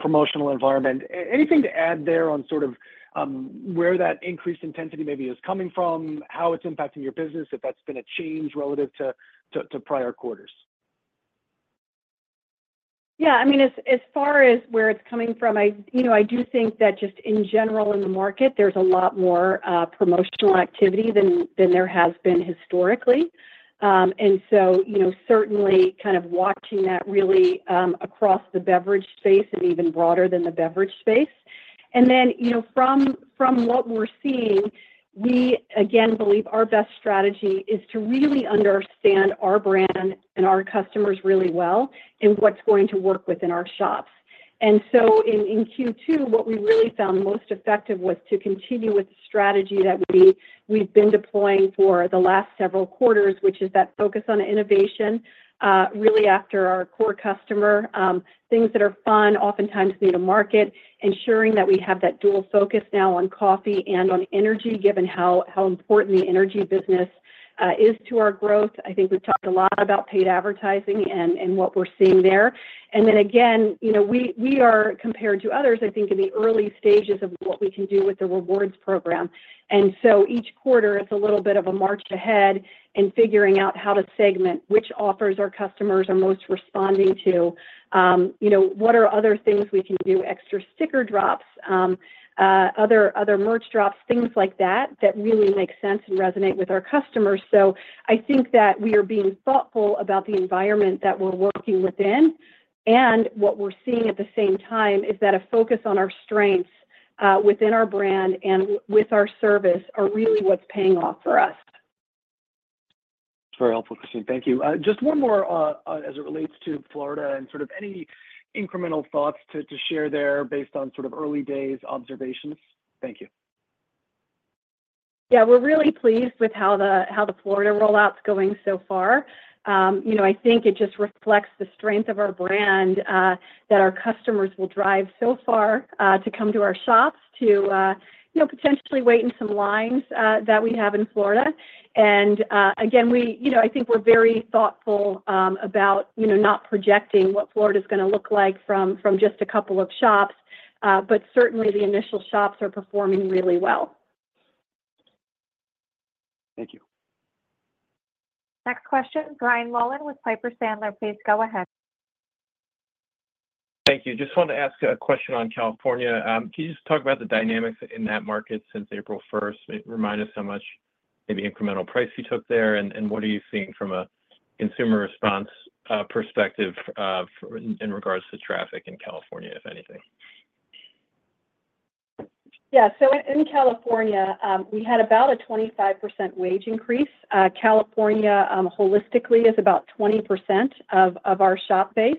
S12: promotional environment. Anything to add there on sort of where that increased intensity maybe is coming from, how it's impacting your business, if that's been a change relative to prior quarters?
S3: Yeah. I mean, as far as where it's coming from, I... You know, I do think that just in general in the market, there's a lot more promotional activity than there has been historically. And so, you know, certainly kind of watching that really across the beverage space and even broader than the beverage space. And then, you know, from what we're seeing, we, again, believe our best strategy is to really understand our brand and our customers really well and what's going to work within our shops. And so in Q2, what we really found most effective was to continue with the strategy that we, we've been deploying for the last several quarters, which is that focus on innovation really after our core customer. Things that are fun oftentimes need a market, ensuring that we have that dual focus now on coffee and on energy, given how, how important the energy business is to our growth. I think we've talked a lot about paid advertising and, and what we're seeing there. And then again, you know, we, we are, compared to others, I think, in the early stages of what we can do with the rewards program. And so each quarter, it's a little bit of a march ahead in figuring out how to segment which offers our customers are most responding to. You know, what are other things we can do? Extra sticker drops, other merch drops, things like that, that really make sense and resonate with our customers. So I think that we are being thoughtful about the environment that we're working within, and what we're seeing at the same time is that a focus on our strengths, within our brand and with our service are really what's paying off for us.
S12: It's very helpful, Christine. Thank you. Just one more, as it relates to Florida and sort of any incremental thoughts to share there based on sort of early days observations. Thank you.
S3: Yeah, we're really pleased with how the Florida rollout is going so far. You know, I think it just reflects the strength of our brand that our customers will drive so far to come to our shops to you know potentially wait in some lines that we have in Florida. And again, we, you know, I think we're very thoughtful about you know not projecting what Florida is gonna look like from just a couple of shops, but certainly the initial shops are performing really well.
S12: Thank you.
S1: Next question, Brian Mullan with Piper Sandler. Please go ahead.
S13: Thank you. Just wanted to ask a question on California. Can you just talk about the dynamics in that market since April first? Maybe remind us how much maybe incremental price you took there, and, and what are you seeing from a consumer response perspective for in regards to traffic in California, if anything?
S3: Yeah. So in California, we had about a 25% wage increase. California holistically is about 20% of our shop base,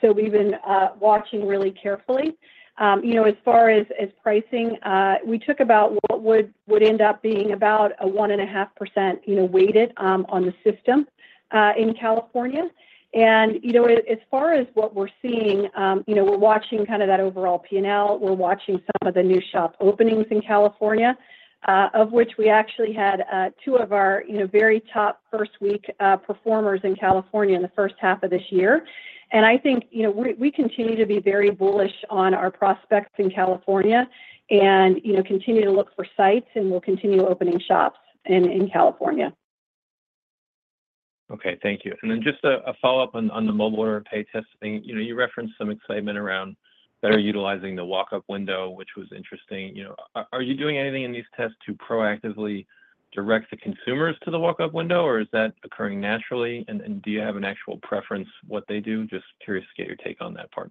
S3: so we've been watching really carefully. You know, as far as pricing, we took about what would end up being about a 1.5%, you know, weighted on the system in California. And, you know, as far as what we're seeing, you know, we're watching kind of that overall P&L. We're watching some of the new shop openings in California, of which we actually had two of our very top first-week performers in California in the first half of this year. I think, you know, we continue to be very bullish on our prospects in California and, you know, continue to look for sites, and we'll continue opening shops in California....
S13: Okay, thank you. And then just a follow-up on the mobile order and pay testing. You know, you referenced some excitement around better utilizing the walk-up window, which was interesting. You know, are you doing anything in these tests to proactively direct the consumers to the walk-up window, or is that occurring naturally? And do you have an actual preference what they do? Just curious to get your take on that part.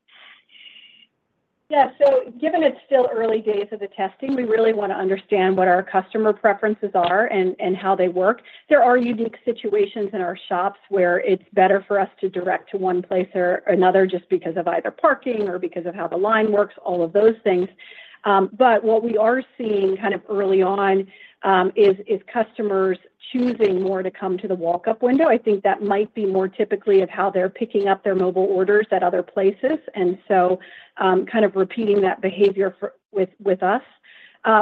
S3: Yeah. So given it's still early days of the testing, we really wanna understand what our customer preferences are and how they work. There are unique situations in our shops where it's better for us to direct to one place or another just because of either parking or because of how the line works, all of those things. But what we are seeing kind of early on is customers choosing more to come to the walk-up window. I think that might be more typically of how they're picking up their mobile orders at other places, and so kind of repeating that behavior for with us.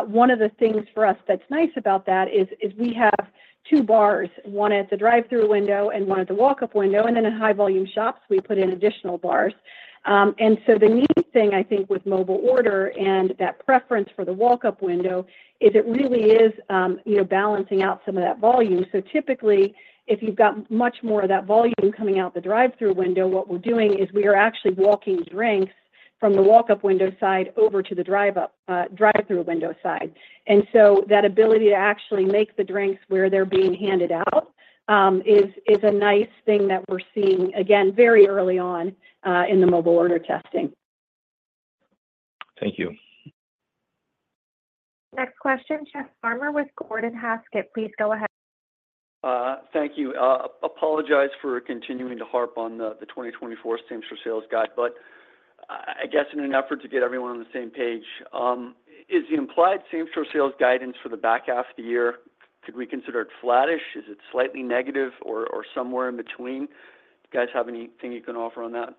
S3: One of the things for us that's nice about that is we have two bars, one at the drive-through window and one at the walk-up window, and then in high volume shops, we put in additional bars. And so the neat thing, I think, with mobile order and that preference for the walk-up window is it really is, you know, balancing out some of that volume. So typically, if you've got much more of that volume coming out the drive-through window, what we're doing is we are actually walking drinks from the walk-up window side over to the drive up, drive-through window side. And so that ability to actually make the drinks where they're being handed out, is a nice thing that we're seeing, again, very early on, in the mobile order testing.
S13: Thank you.
S1: Next question, Chad Farmer with Gordon Haskett, please go ahead.
S14: Thank you. Apologize for continuing to harp on the 2024 same-store sales guide, but I guess in an effort to get everyone on the same page, is the implied same-store sales guidance for the back half of the year, should we consider it flattish? Is it slightly negative or somewhere in between? Do you guys have anything you can offer on that?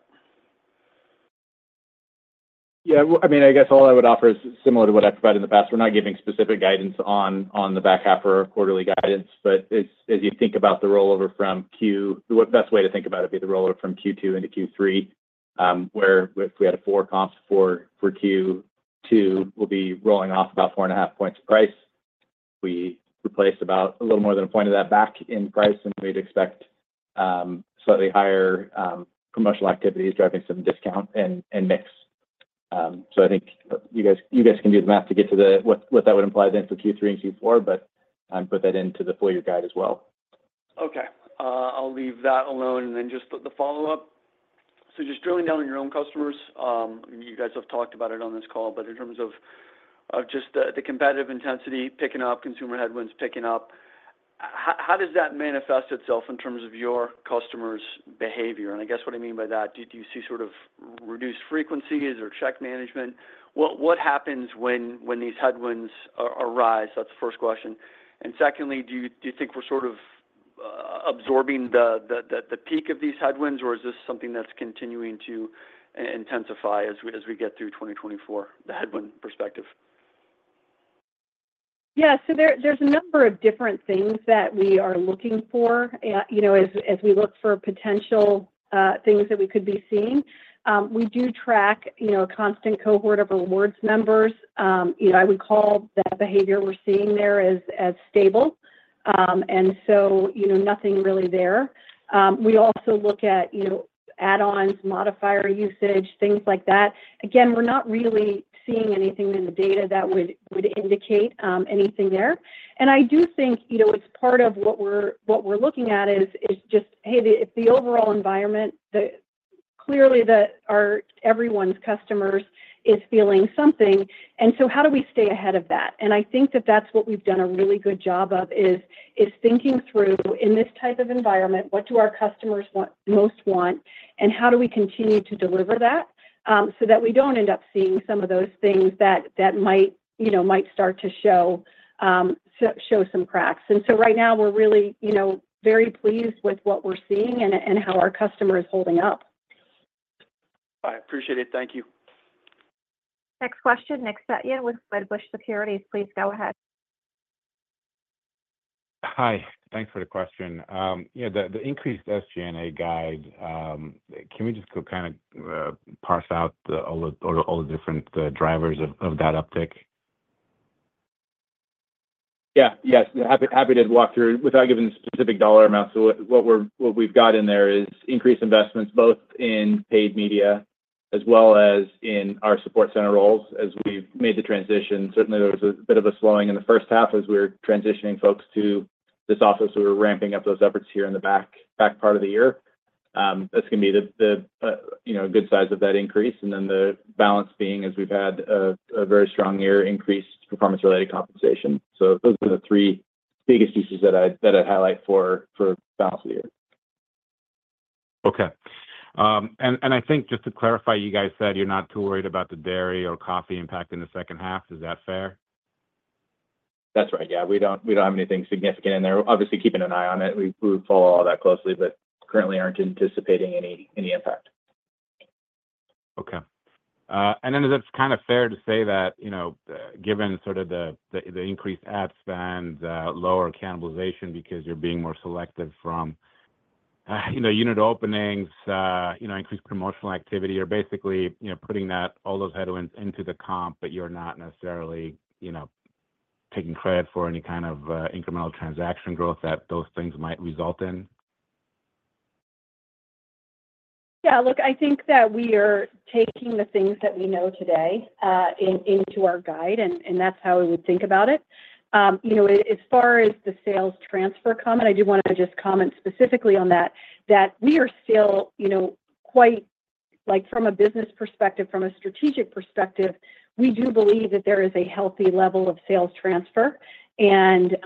S4: Yeah, well, I mean, I guess all I would offer is similar to what I provided in the past. We're not giving specific guidance on the back half or quarterly guidance, but as you think about the rollover from Q2 into Q3, where if we had 4 comps for Q2, we'll be rolling off about 4.5 points of price. We replaced about a little more than a point of that back in price, and we'd expect slightly higher promotional activities driving some discount and mix. So I think you guys can do the math to get to what that would imply then for Q3 and Q4, but put that into the full year guide as well.
S14: Okay. I'll leave that alone. And then just the follow-up. So just drilling down on your own customers, you guys have talked about it on this call, but in terms of the competitive intensity picking up, consumer headwinds picking up, how does that manifest itself in terms of your customers' behavior? And I guess what I mean by that, do you see sort of reduced frequencies or check management? What happens when these headwinds arise? That's the first question. And secondly, do you think we're sort of absorbing the peak of these headwinds, or is this something that's continuing to intensify as we get through 2024, the headwind perspective?
S3: Yeah. So there, there's a number of different things that we are looking for, you know, as, as we look for potential, things that we could be seeing. We do track, you know, a constant cohort of rewards members. You know, I would call that behavior we're seeing there as, as stable. And so, you know, nothing really there. We also look at, you know, add-ons, modifier usage, things like that. Again, we're not really seeing anything in the data that would, would indicate, anything there. And I do think, you know, it's part of what we're, what we're looking at is, is just, hey, the, if the overall environment, the-- clearly, the, our, everyone's customers is feeling something, and so how do we stay ahead of that? I think that that's what we've done a really good job of is thinking through, in this type of environment, what do our customers want most, and how do we continue to deliver that, so that we don't end up seeing some of those things that might, you know, might start to show some cracks. So right now, we're really, you know, very pleased with what we're seeing and how our customer is holding up.
S14: I appreciate it. Thank you.
S1: Next question, Nick Setyan with Wedbush Securities, please go ahead.
S15: Hi, thanks for the question. Yeah, the increased SG&A guide, can we just go kind of parse out all the different drivers of that uptick?
S4: Yeah. Yes, happy to walk through without giving specific dollar amounts. So what we've got in there is increased investments, both in paid media as well as in our support center roles. As we've made the transition, certainly there was a bit of a slowing in the first half as we were transitioning folks to this office. So we're ramping up those efforts here in the back part of the year. That's gonna be the good size of that increase, and then the balance being, as we've had a very strong year, increased performance-related compensation. So those are the three biggest pieces that I'd highlight for balance of the year.
S15: Okay. And I think, just to clarify, you guys said you're not too worried about the dairy or coffee impact in the second half. Is that fair?
S4: That's right. Yeah, we don't have anything significant in there. Obviously, keeping an eye on it. We follow all that closely, but currently aren't anticipating any impact.
S15: Okay. And then is it kind of fair to say that, you know, given sort of the increased ad spend, lower cannibalization because you're being more selective from, you know, unit openings, you know, increased promotional activity, you're basically, you know, putting that, all those headwinds into the comp, but you're not necessarily, you know, taking credit for any kind of, incremental transaction growth that those things might result in?
S3: Yeah, look, I think that we are taking the things that we know today into our guide, and that's how we would think about it. You know, as far as the sales transfer comment, I do wanna just comment specifically on that, that we are still, you know, quite, like, from a business perspective, from a strategic perspective, we do believe that there is a healthy level of sales transfer, and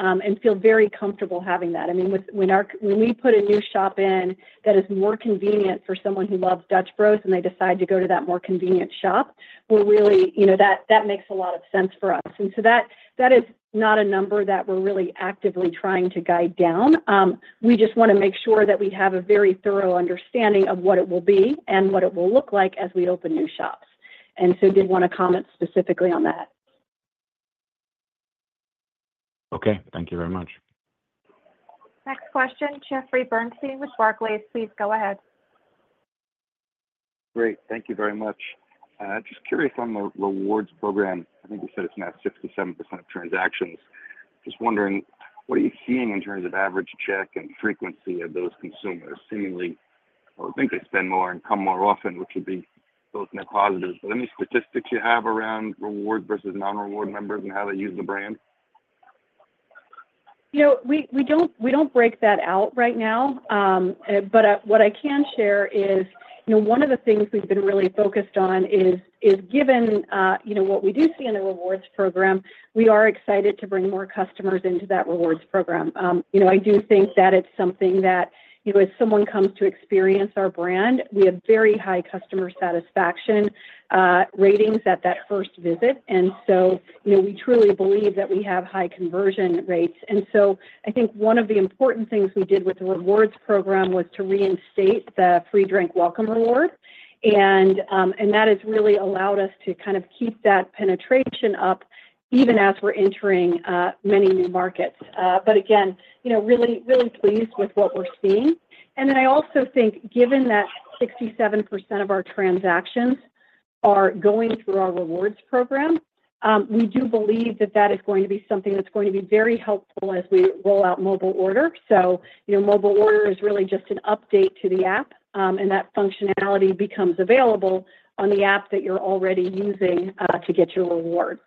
S3: feel very comfortable having that. I mean, when we put a new shop in, that is more convenient for someone who loves Dutch Bros, and they decide to go to that more convenient shop, we're really, you know, that makes a lot of sense for us. And so that is not a number that we're really actively trying to guide down. We just wanna make sure that we have a very thorough understanding of what it will be and what it will look like as we open new shops, and so did wanna comment specifically on that.
S15: Okay. Thank you very much.
S1: Next question, Jeffrey Bernstein with Barclays. Please go ahead.
S16: Great. Thank you very much. Just curious on the rewards program. I think you said it's now 67% of transactions. Just wondering, what are you seeing in terms of average check and frequency of those consumers? Seemingly, or I think they spend more and come more often, which would be both net positives, but any statistics you have around reward versus non-reward members and how they use the brand?
S3: You know, we don't break that out right now. But what I can share is, you know, one of the things we've been really focused on is given what we do see in the rewards program, we are excited to bring more customers into that rewards program. You know, I do think that it's something that, you know, as someone comes to experience our brand, we have very high customer satisfaction ratings at that first visit. And so, you know, we truly believe that we have high conversion rates. And so I think one of the important things we did with the rewards program was to reinstate the free drink welcome reward. And that has really allowed us to kind of keep that penetration up even as we're entering many new markets. But again, you know, really, really pleased with what we're seeing. And then I also think, given that 67% of our transactions are going through our rewards program, we do believe that that is going to be something that's going to be very helpful as we roll out mobile order. So, you know, mobile order is really just an update to the app, and that functionality becomes available on the app that you're already using to get your rewards.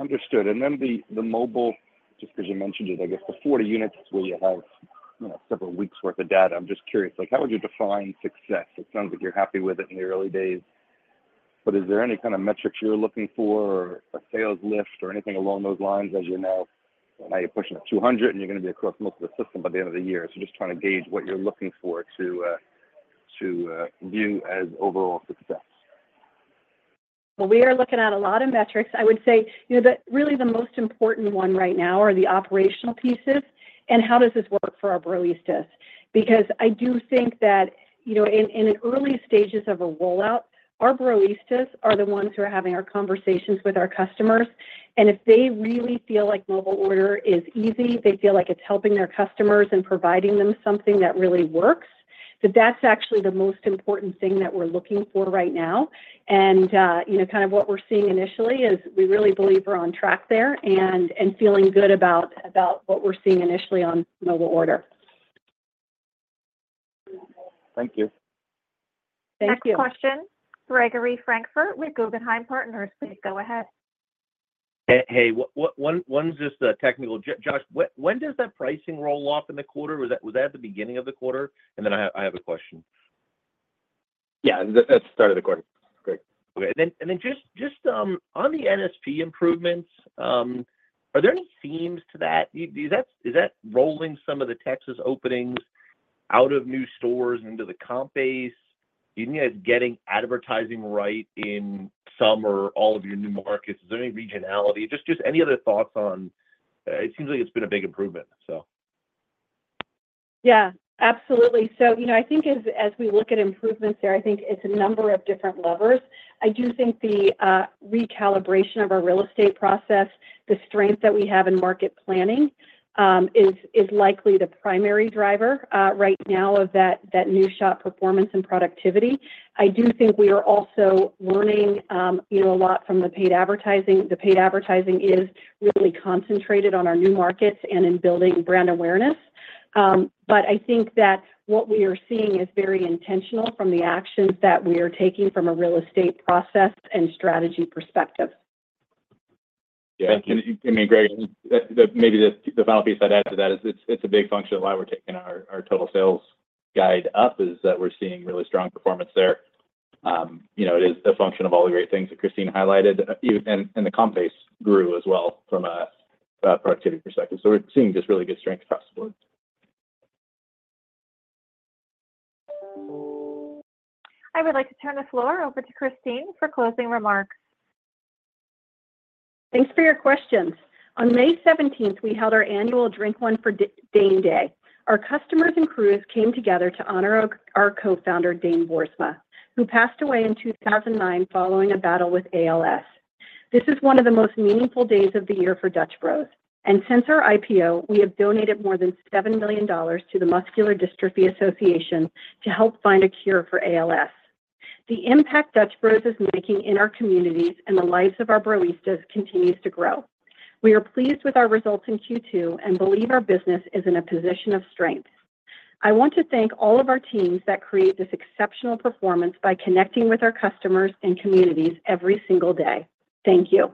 S16: Understood. Then the mobile, just because you mentioned it, I guess the 40 units where you have, you know, several weeks' worth of data, I'm just curious, like, how would you define success? It sounds like you're happy with it in the early days, but is there any kind of metrics you're looking for or a sales lift or anything along those lines as you're now pushing to 200, and you're gonna be across most of the system by the end of the year. So just trying to gauge what you're looking for to view as overall success.
S3: Well, we are looking at a lot of metrics. I would say, you know, the, really the most important one right now are the operational pieces and how does this work for our baristas. Because I do think that, you know, in, in the early stages of a rollout, our baristas are the ones who are having our conversations with our customers, and if they really feel like mobile order is easy, they feel like it's helping their customers and providing them something that really works, then that's actually the most important thing that we're looking for right now. And, you know, kind of what we're seeing initially is we really believe we're on track there and, and feeling good about, about what we're seeing initially on mobile order.
S16: Thank you.
S3: Thank you.
S1: Next question, Gregory Francfort with Guggenheim Partners. Please go ahead.
S17: Hey, hey. One, one is just a technical... Josh, when does that pricing roll off in the quarter? Was that, was that at the beginning of the quarter? And then I have, I have a question.
S4: Yeah, at the start of the quarter. Great.
S17: Okay. Then just on the NSP improvements, are there any themes to that? Is that rolling some of the Texas openings out of new stores into the comp base? Do you think it's getting advertising right in some or all of your new markets? Is there any regionality? Just any other thoughts on... It seems like it's been a big improvement, so.
S3: Yeah, absolutely. So, you know, I think as we look at improvements there, I think it's a number of different levers. I do think the recalibration of our real estate process, the strength that we have in market planning, is likely the primary driver right now of that new shop performance and productivity. I do think we are also learning, you know, a lot from the paid advertising. The paid advertising is really concentrated on our new markets and in building brand awareness. But I think that what we are seeing is very intentional from the actions that we are taking from a real estate process and strategy perspective.
S4: Yeah.
S17: Thank you.
S4: I mean, Greg, that maybe the final piece I'd add to that is it's a big function of why we're taking our total sales guide up, is that we're seeing really strong performance there. You know, it is a function of all the great things that Christine highlighted, and the comp base grew as well from a productivity perspective. So we're seeing just really good strength across the board.
S1: I would like to turn the floor over to Christine for closing remarks.
S3: Thanks for your questions. On May seventeenth, we held our annual Drink One for Dane Day. Our customers and crews came together to honor our co-founder, Dane Boersma, who passed away in 2009 following a battle with ALS. This is one of the most meaningful days of the year for Dutch Bros, and since our IPO, we have donated more than $7 million to the Muscular Dystrophy Association to help find a cure for ALS. The impact Dutch Bros is making in our communities and the lives of our baristas continues to grow. We are pleased with our results in Q2 and believe our business is in a position of strength. I want to thank all of our teams that create this exceptional performance by connecting with our customers and communities every single day. Thank you.